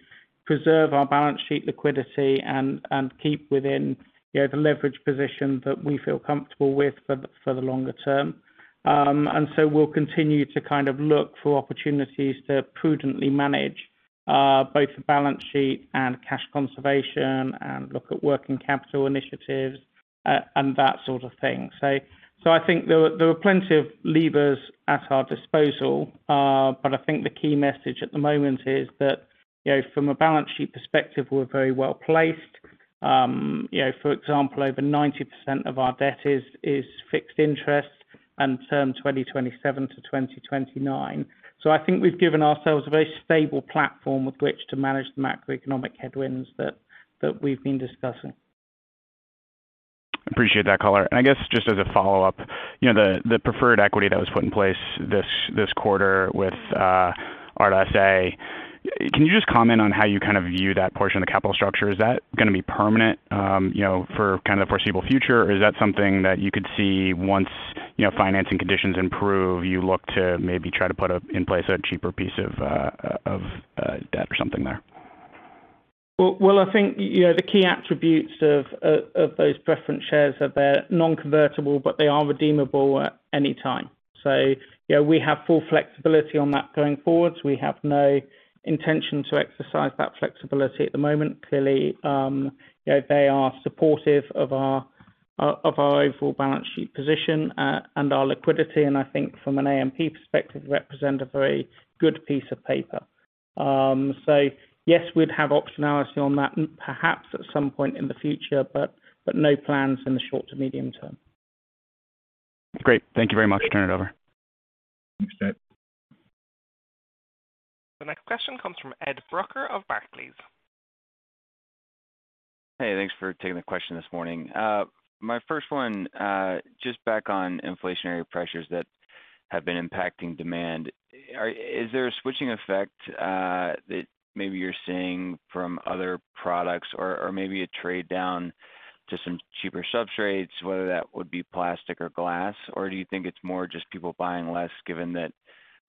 preserve our balance sheet liquidity and keep within, you know, the leverage position that we feel comfortable with for the longer term. We'll continue to kind of look for opportunities to prudently manage both the balance sheet and cash conservation and look at working capital initiatives and that sort of thing. I think there are plenty of levers at our disposal. But I think the key message at the moment is that, you know, from a balance sheet perspective, we're very well-placed. You know, for example, over 90% of our debt is fixed interest and term 2027-2029. I think we've given ourselves a very stable platform with which to manage the macroeconomic headwinds that we've been discussing. Appreciate that color. I guess just as a follow-up, you know, the preferred equity that was put in place this quarter with Ardagh S.A., can you just comment on how you kind of view that portion of the capital structure? Is that gonna be permanent, you know, for kind of the foreseeable future? Or is that something that you could see once, you know, financing conditions improve, you look to maybe try to put in place a cheaper piece of of debt or something there? Well, I think, you know, the key attributes of those preference shares are they're non-convertible, but they are redeemable at any time. You know, we have full flexibility on that going forward. We have no intention to exercise that flexibility at the moment. Clearly, you know, they are supportive of our overall balance sheet position, and our liquidity, and I think from an AMP perspective, represent a very good piece of paper. Yes, we'd have optionality on that perhaps at some point in the future, but no plans in the short to medium term. Great. Thank you very much. Turn it over. Thanks, Jay. The next question comes from Edward Brucker of Barclays. Hey, thanks for taking the question this morning. My first one, just back on inflationary pressures that have been impacting demand. Is there a switching effect that maybe you're seeing from other products or maybe a trade down to some cheaper substrates, whether that would be plastic or glass? Or do you think it's more just people buying less given that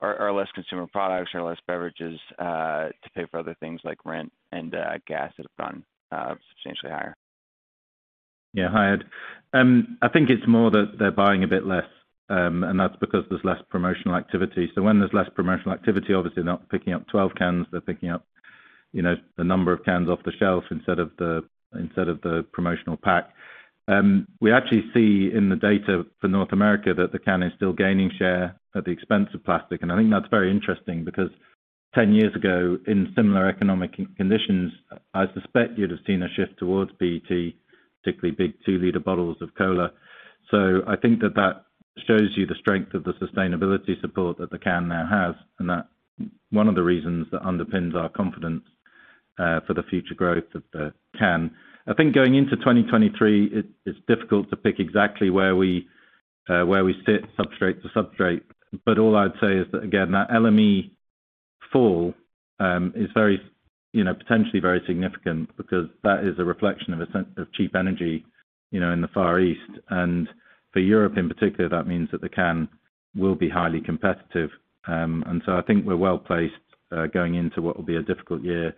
or less consumer products or less beverages to pay for other things like rent and gas that have gone substantially higher? Yeah. Hi, Ed. I think it's more that they're buying a bit less, and that's because there's less promotional activity. When there's less promotional activity, obviously they're not picking up 12 cans, they're picking up, you know, the number of cans off the shelf instead of the promotional pack. We actually see in the data for North America that the can is still gaining share at the expense of plastic. I think that's very interesting because 10 years ago, in similar economic conditions, I suspect you'd have seen a shift towards PET, particularly big 2L bottles of cola. I think that shows you the strength of the sustainability support that the can now has, and that one of the reasons that underpins our confidence for the future growth of the can. I think going into 2023, it's difficult to pick exactly where we sit substrate to substrate. But all I'd say is that again, that LME fall is very, you know, potentially very significant because that is a reflection of a sense of cheap energy, you know, in the Far East. For Europe in particular, that means that the can will be highly competitive. I think we're well-placed going into what will be a difficult year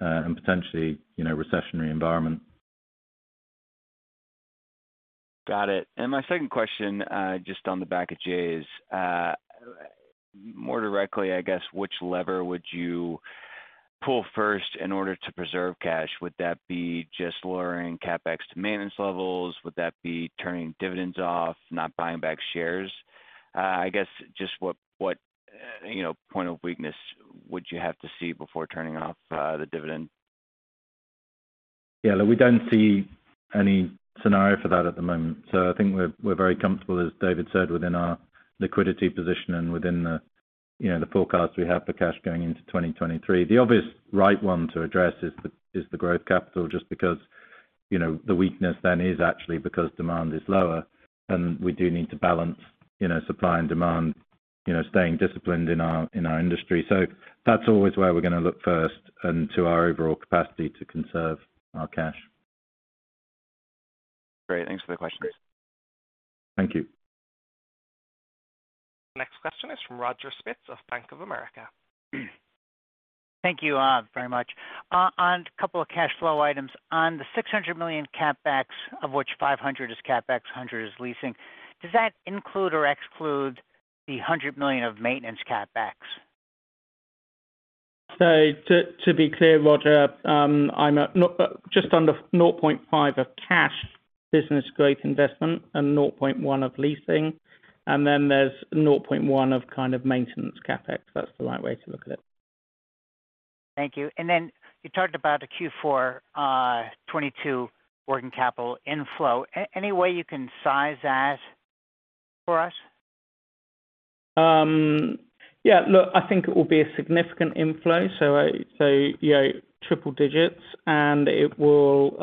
and potentially, you know, recessionary environment. Got it. My second question, just on the back of Jay's. More directly, I guess, which lever would you pull first in order to preserve cash? Would that be just lowering CapEx to maintenance levels? Would that be turning dividends off, not buying back shares? I guess just what you know point of weakness would you have to see before turning off the dividend? Yeah. Look, we don't see any scenario for that at the moment. I think we're very comfortable, as David said, within our liquidity position and within the, you know, the forecast we have for cash going into 2023. The obvious right one to address is the growth capital, just because you know, the weakness then is actually because demand is lower, and we do need to balance, you know, supply and demand, you know, staying disciplined in our industry. That's always where we're gonna look first and to our overall capacity to conserve our cash. Great. Thanks for the questions. Thank you. Next question is from Roger Spitz of Bank of America. Thank you, very much. On a couple of cash flow items. On the $600 million CapEx, of which $500 million is CapEx, $100 million is leasing, does that include or exclude the $100 million of maintenance CapEx? To be clear, Roger, I'm at just under 0.5 of cash business growth investment and 0.1 of leasing, and then there's 0.1 of kind of maintenance CapEx. That's the right way to look at it. Thank you. You talked about the Q4, 22 working capital inflow. Any way you can size that for us? Yeah, look, I think it will be a significant inflow, so, you know, triple digits. It will,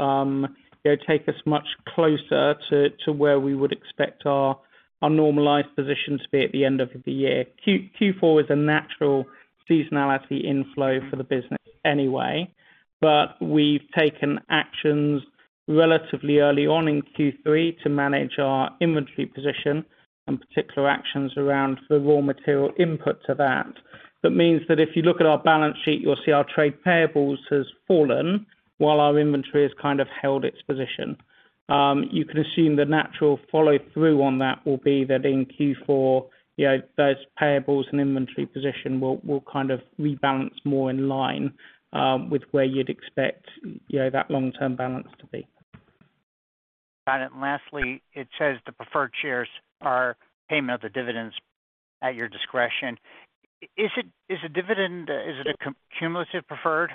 you know, take us much closer to where we would expect our normalized position to be at the end of the year. Q4 is a natural seasonality inflow for the business anyway, but we've taken actions relatively early on in Q3 to manage our inventory position and particular actions around the raw material input to that. That means that if you look at our balance sheet, you'll see our trade payables has fallen while our inventory has kind of held its position. You can assume the natural follow-through on that will be that in Q4, you know, those payables and inventory position will kind of rebalance more in line with where you'd expect, you know, that long-term balance to be. Got it. Lastly, it says the preferred shares are payment of the dividends at your discretion. Is it a cumulative preferred,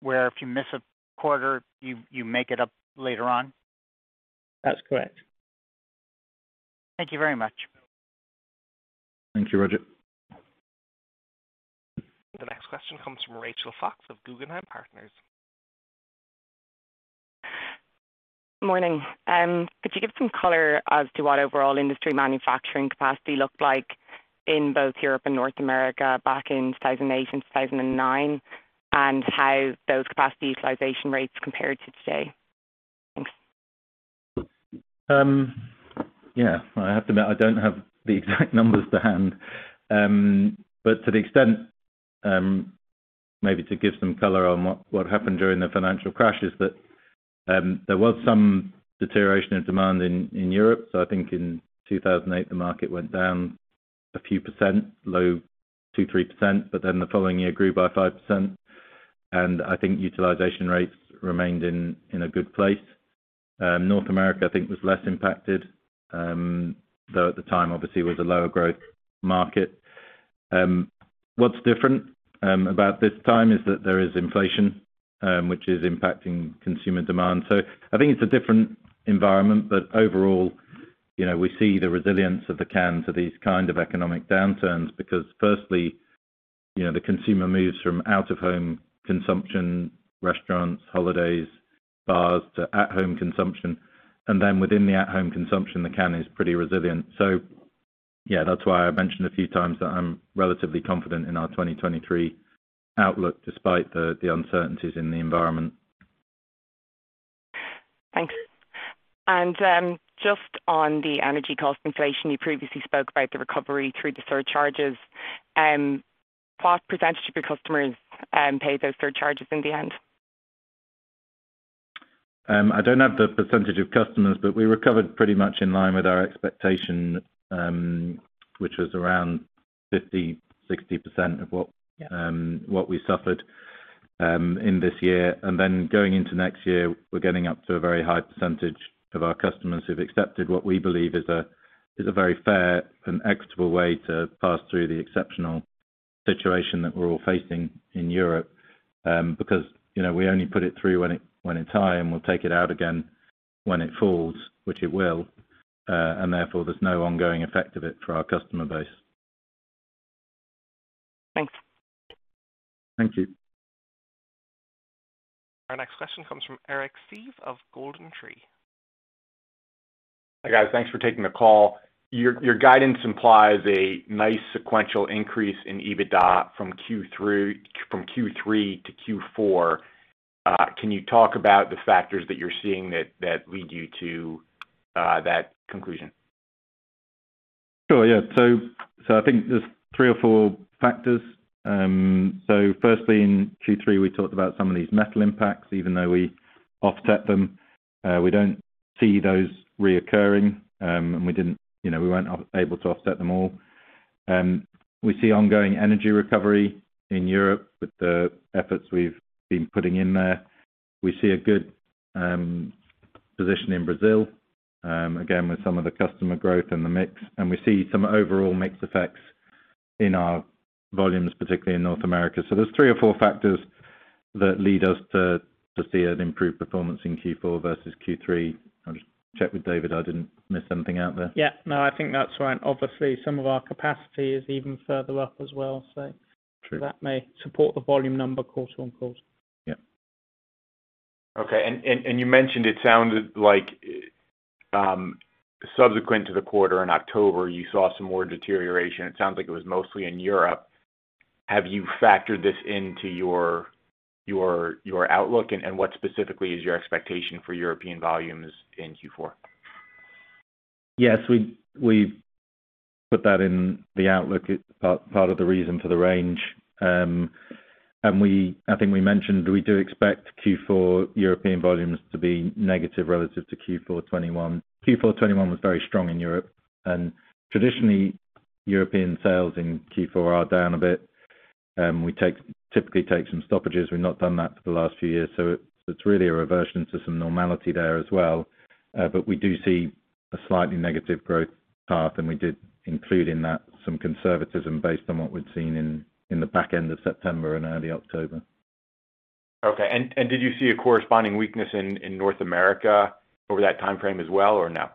where if you miss a quarter you make it up later on? That's correct. Thank you very much. Thank you, Roger. The next question comes from Rachel Fox of Guggenheim Partners. Morning. Could you give some color as to what overall industry manufacturing capacity looked like in both Europe and North America back in 2008 and 2009, and how those capacity utilization rates compared to today? Thanks. Yeah, I have to admit I don't have the exact numbers to hand. But to the extent, maybe to give some color on what happened during the financial crash is that, there was some deterioration of demand in Europe. I think in 2008, the market went down a few percent, low 2%-3%. Then the following year grew by 5%. I think utilization rates remained in a good place. North America I think was less impacted, though at the time, obviously was a lower growth market. What's different about this time is that there is inflation, which is impacting consumer demand. I think it's a different environment. Overall, you know, we see the resilience of the can to these kind of economic downturns because firstly, you know, the consumer moves from out of home consumption, restaurants, holidays, bars, to at home consumption. Then within the at home consumption, the can is pretty resilient. Yeah, that's why I mentioned a few times that I'm relatively confident in our 2023 outlook despite the uncertainties in the environment. Thanks. Just on the energy cost inflation, you previously spoke about the recovery through the surcharges. What percentage of your customers pay those surcharges in the end? I don't have the percentage of customers, but we recovered pretty much in line with our expectation, which was around 50%, 60% of what. Yeah. What we suffered in this year. Then going into next year, we're getting up to a very high percentage of our customers who've accepted what we believe is a very fair and equitable way to pass through the exceptional situation that we're all facing in Europe. Because, you know, we only put it through when it's high, and we'll take it out again when it falls, which it will. And therefore there's no ongoing effect of it for our customer base. Thanks. Thank you. Our next question comes from Eric Seeve of GoldenTree. Hi, guys. Thanks for taking the call. Your guidance implies a nice sequential increase in EBITDA from Q3 to Q4. Can you talk about the factors that you're seeing that lead you to that conclusion? Sure, yeah. I think there's three or four factors. Firstly, in Q3 we talked about some of these metal impacts. Even though we offset them, we don't see those recurring. We didn't, you know, we weren't able to offset them all. We see ongoing energy recovery in Europe with the efforts we've been putting in there. We see a good position in Brazil, again with some of the customer growth and the mix, and we see some overall mix effects in our volumes, particularly in North America. There's three or four factors that lead us to see an improved performance in Q4 versus Q3. I'll just check with David. I didn't miss something out there. Yeah. No, I think that's right. Obviously some of our capacity is even further up as well, so. That may support the volume number quarter-over-quarter. Yeah. Okay. You mentioned it sounded like, subsequent to the quarter in October, you saw some more deterioration. It sounds like it was mostly in Europe. Have you factored this into your outlook? What specifically is your expectation for European volumes in Q4? Yes. We put that in the outlook. It's part of the reason for the range. I think we mentioned we do expect Q4 European volumes to be negative relative to Q4 2021. Q4 2021 was very strong in Europe, and traditionally European sales in Q4 are down a bit. We typically take some stoppages. We've not done that for the last few years, so it's really a reversion to some normality there as well. We do see a slightly negative growth path, and we did include in that some conservatism based on what we'd seen in the back end of September and early October. Okay. Did you see a corresponding weakness in North America over that timeframe as well or no?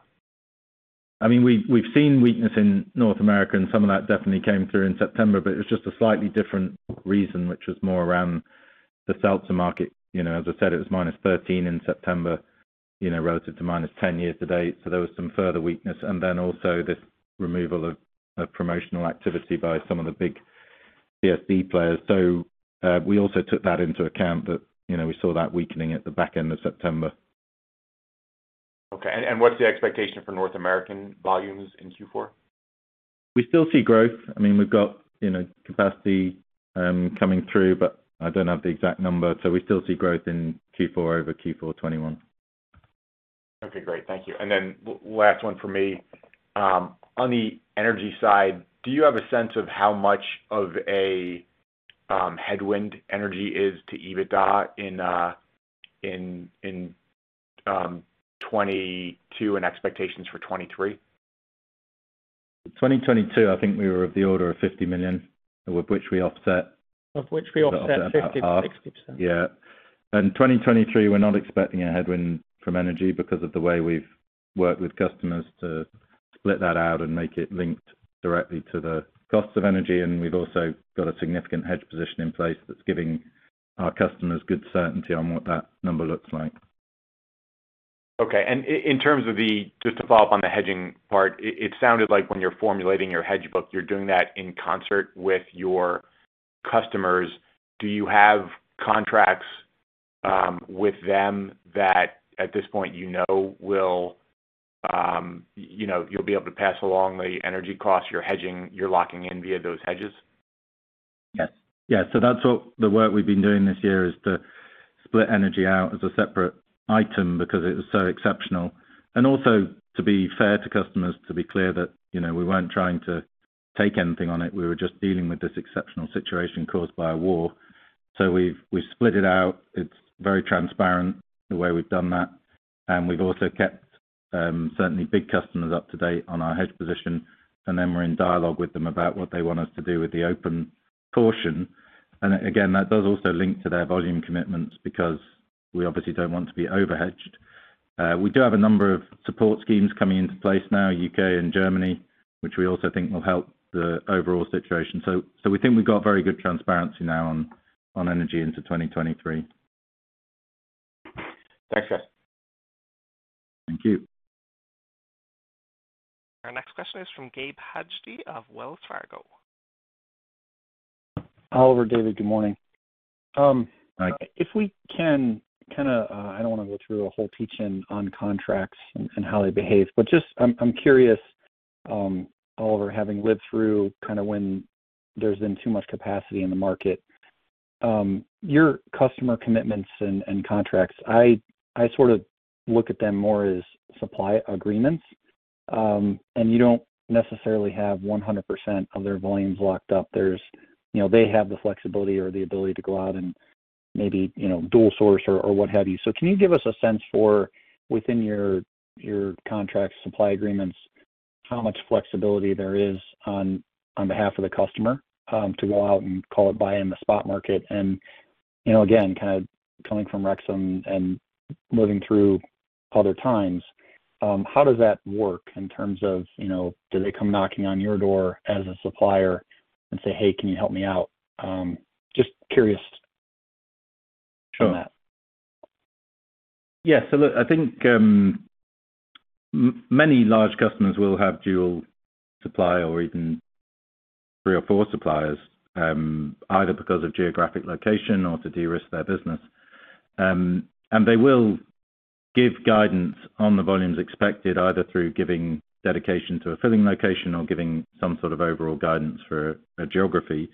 I mean, we've seen weakness in North America, and some of that definitely came through in September, but it was just a slightly different reason, which was more around the seltzer market. You know, as I said, it was -13% in September, you know, relative to -10% year to date. There was some further weakness. Then also this removal of promotional activity by some of the big CSD players. We also took that into account that, you know, we saw that weakening at the back end of September. Okay. What's the expectation for North American volumes in Q4? We still see growth. I mean, we've got, you know, capacity coming through, but I don't have the exact number. We still see growth in Q4 over Q4 2021. Okay, great. Thank you. Last one from me. On the energy side, do you have a sense of how much of a headwind energy is to EBITDA in 2022 and expectations for 2023? In 2022, I think we were of the order of $50 million, with which we offset. Of which we offset 50%-60%. Yeah. In 2023, we're not expecting a headwind from energy because of the way we've worked with customers to split that out and make it linked directly to the cost of energy. We've also got a significant hedge position in place that's giving our customers good certainty on what that number looks like. Okay. Just to follow up on the hedging part, it sounded like when you're formulating your hedge book, you're doing that in concert with your customers. Do you have contracts with them that at this point you know will, you know, you'll be able to pass along the energy costs you're hedging, you're locking in via those hedges? Yes. Yeah. That's what the work we've been doing this year is to split energy out as a separate item because it was so exceptional. Also to be fair to customers, to be clear that, you know, we weren't trying to take anything on it. We were just dealing with this exceptional situation caused by a war. We've split it out. It's very transparent the way we've done that. We've also kept certainly big customers up to date on our hedge position, and then we're in dialogue with them about what they want us to do with the open portion. That does also link to their volume commitments because we obviously don't want to be over-hedged. We do have a number of support schemes coming into place now, UK and Germany, which we also think will help the overall situation. We think we've got very good transparency now on energy into 2023. Thanks, guys. Thank you. Our next question is from Gabe Hajde of Wells Fargo. Oliver, David, good morning. Hi. If we can kinda I don't wanna go through a whole teach-in on contracts and how they behave, but just I'm curious, Oliver, having lived through kinda when there's been too much capacity in the market, your customer commitments and contracts, I sort of look at them more as supply agreements. You don't necessarily have 100% of their volumes locked up. There's, you know, they have the flexibility or the ability to go out and maybe, you know, dual source or what have you. Can you give us a sense for within your contract supply agreements, how much flexibility there is on behalf of the customer, to go out and call it buy in the spot market? You know, again, kind of coming from Rexam and living through other times, how does that work in terms of, you know, do they come knocking on your door as a supplier and say, "Hey, can you help me out?" Just curious on that. Yeah. Look, I think many large customers will have dual supply or even 3 or 4 suppliers, either because of geographic location or to de-risk their business. They will give guidance on the volumes expected either through giving dedication to a filling location or giving some sort of overall guidance for a geography.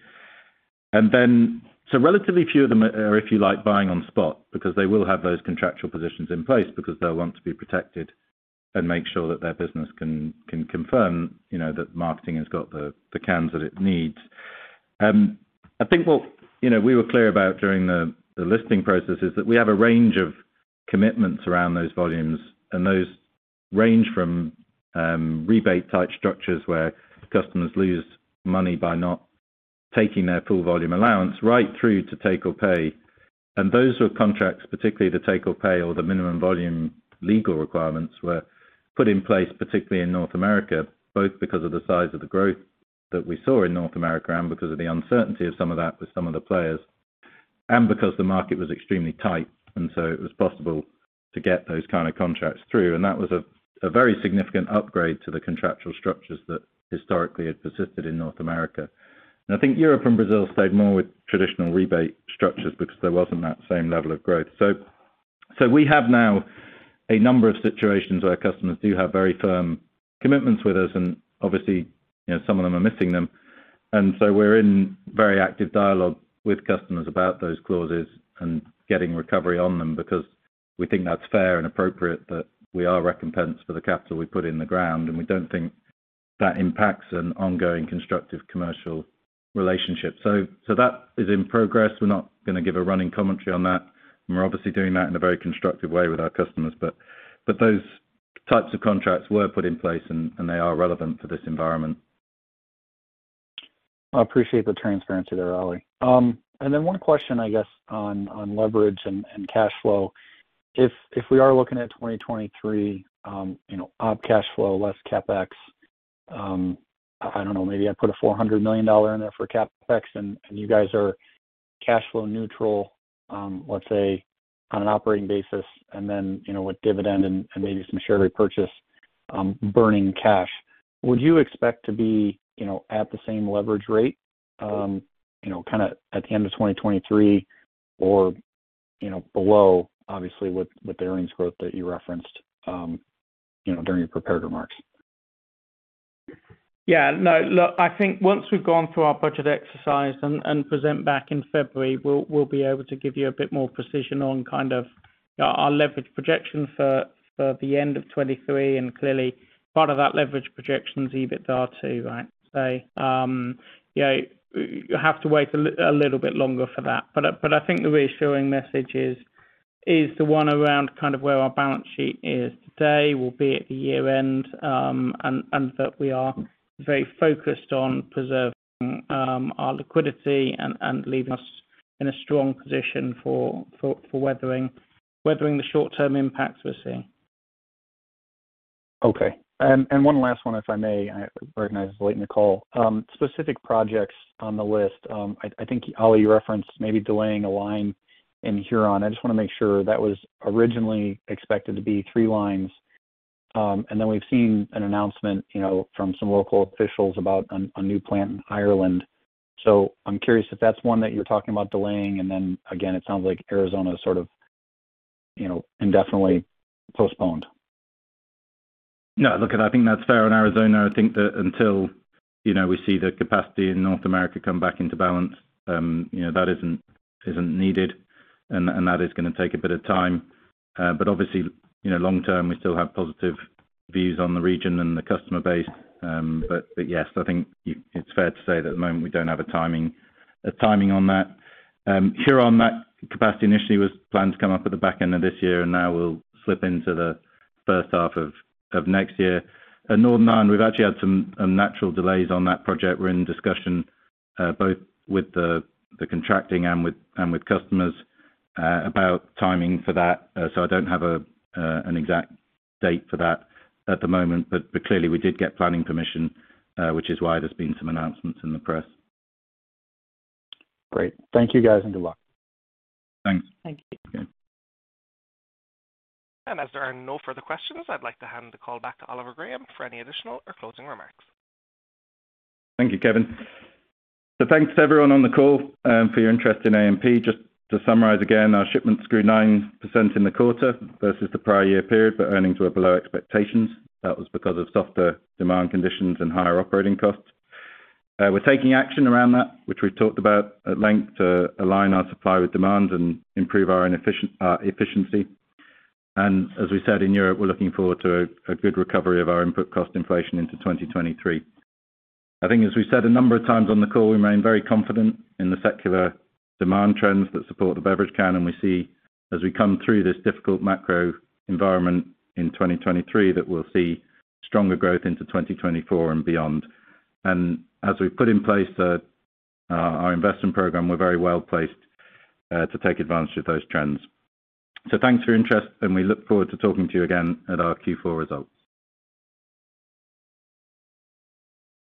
Relatively few of them are, if you like, buying on spot because they will have those contractual positions in place because they'll want to be protected and make sure that their business can confirm, you know, that marketing has got the cans that it needs. I think, you know, we were clear about during the listing process is that we have a range of commitments around those volumes, and those range from rebate type structures where customers lose money by not taking their full volume allowance right through to take-or-pay. Those were contracts, particularly the take-or-pay or the minimum volume legal requirements, were put in place, particularly in North America, both because of the size of the growth that we saw in North America and because of the uncertainty of some of that with some of the players, and because the market was extremely tight. It was possible to get those kind of contracts through. That was a very significant upgrade to the contractual structures that historically had persisted in North America. I think Europe and Brazil stayed more with traditional rebate structures because there wasn't that same level of growth. We have now a number of situations where customers do have very firm commitments with us, and obviously, you know, some of them are missing them. We're in very active dialogue with customers about those clauses and getting recovery on them because we think that's fair and appropriate that we are recompensed for the capital we put in the ground, and we don't think that impacts an ongoing constructive commercial relationship. That is in progress. We're not gonna give a running commentary on that, and we're obviously doing that in a very constructive way with our customers. Those types of contracts were put in place and they are relevant for this environment. I appreciate the transparency there, Oli. One question, I guess, on leverage and cash flow. If we are looking at 2023, you know, op cash flow, less CapEx, I don't know, maybe I put $400 million in there for CapEx and you guys are cash flow neutral, let's say on an operating basis and then, you know, with dividend and maybe some share repurchase, burning cash. Would you expect to be, you know, at the same leverage rate, you know, kinda at the end of 2023 or, you know, below, obviously, with the earnings growth that you referenced, you know, during your prepared remarks? Yeah. No, look, I think once we've gone through our budget exercise and present back in February, we'll be able to give you a bit more precision on kind of our leverage projection for the end of 2023, and clearly part of that leverage projection is EBITDA too, right? You know, you have to wait a little bit longer for that. I think the reassuring message is the one around kind of where our balance sheet is today, will be at the year-end, and that we are very focused on preserving our liquidity and leaving us in a strong position for weathering the short-term impacts we're seeing. Okay. One last one, if I may. I recognize it's late in the call. Specific projects on the list. I think, Oli, you referenced maybe delaying a line in Huron. I just wanna make sure. That was originally expected to be three lines. We've seen an announcement, you know, from some local officials about a new plant in Ireland. I'm curious if that's one that you're talking about delaying. Again, it sounds like Arizona is sort of, you know, indefinitely postponed. Yeah. Look, I think that's fair in Arizona. I think that until you know we see the capacity in North America come back into balance, you know that isn't needed, and that is gonna take a bit of time. Obviously, you know, long term, we still have positive views on the region and the customer base. Yes, I think it's fair to say that at the moment, we don't have a timing on that. In Huron, that capacity initially was planned to come up at the back end of this year, and now we'll slip into the first half of next year. At Northern Ireland, we've actually had some natural delays on that project. We're in discussion both with the contractor and with customers about timing for that. I don't have an exact date for that at the moment. Clearly, we did get planning permission, which is why there's been some announcements in the press. Great. Thank you guys, and good luck. Thanks. Thank you. Okay. As there are no further questions, I'd like to hand the call back to Oliver Graham for any additional or closing remarks. Thank you, Kevin. Thanks to everyone on the call, for your interest in AMP. Just to summarize again, our shipments grew 9% in the quarter versus the prior year period, but earnings were below expectations. That was because of softer demand conditions and higher operating costs. We're taking action around that, which we've talked about at length, to align our supply with demand and improve our efficiency. As we said, in Europe, we're looking forward to a good recovery of our input cost inflation into 2023. I think as we said a number of times on the call, we remain very confident in the secular demand trends that support the beverage can. We see as we come through this difficult macro environment in 2023, that we'll see stronger growth into 2024 and beyond. As we've put in place the, our investment program, we're very well placed to take advantage of those trends. Thanks for your interest, and we look forward to talking to you again at our Q4 results.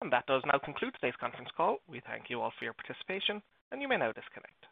That does now conclude today's conference call. We thank you all for your participation, and you may now disconnect.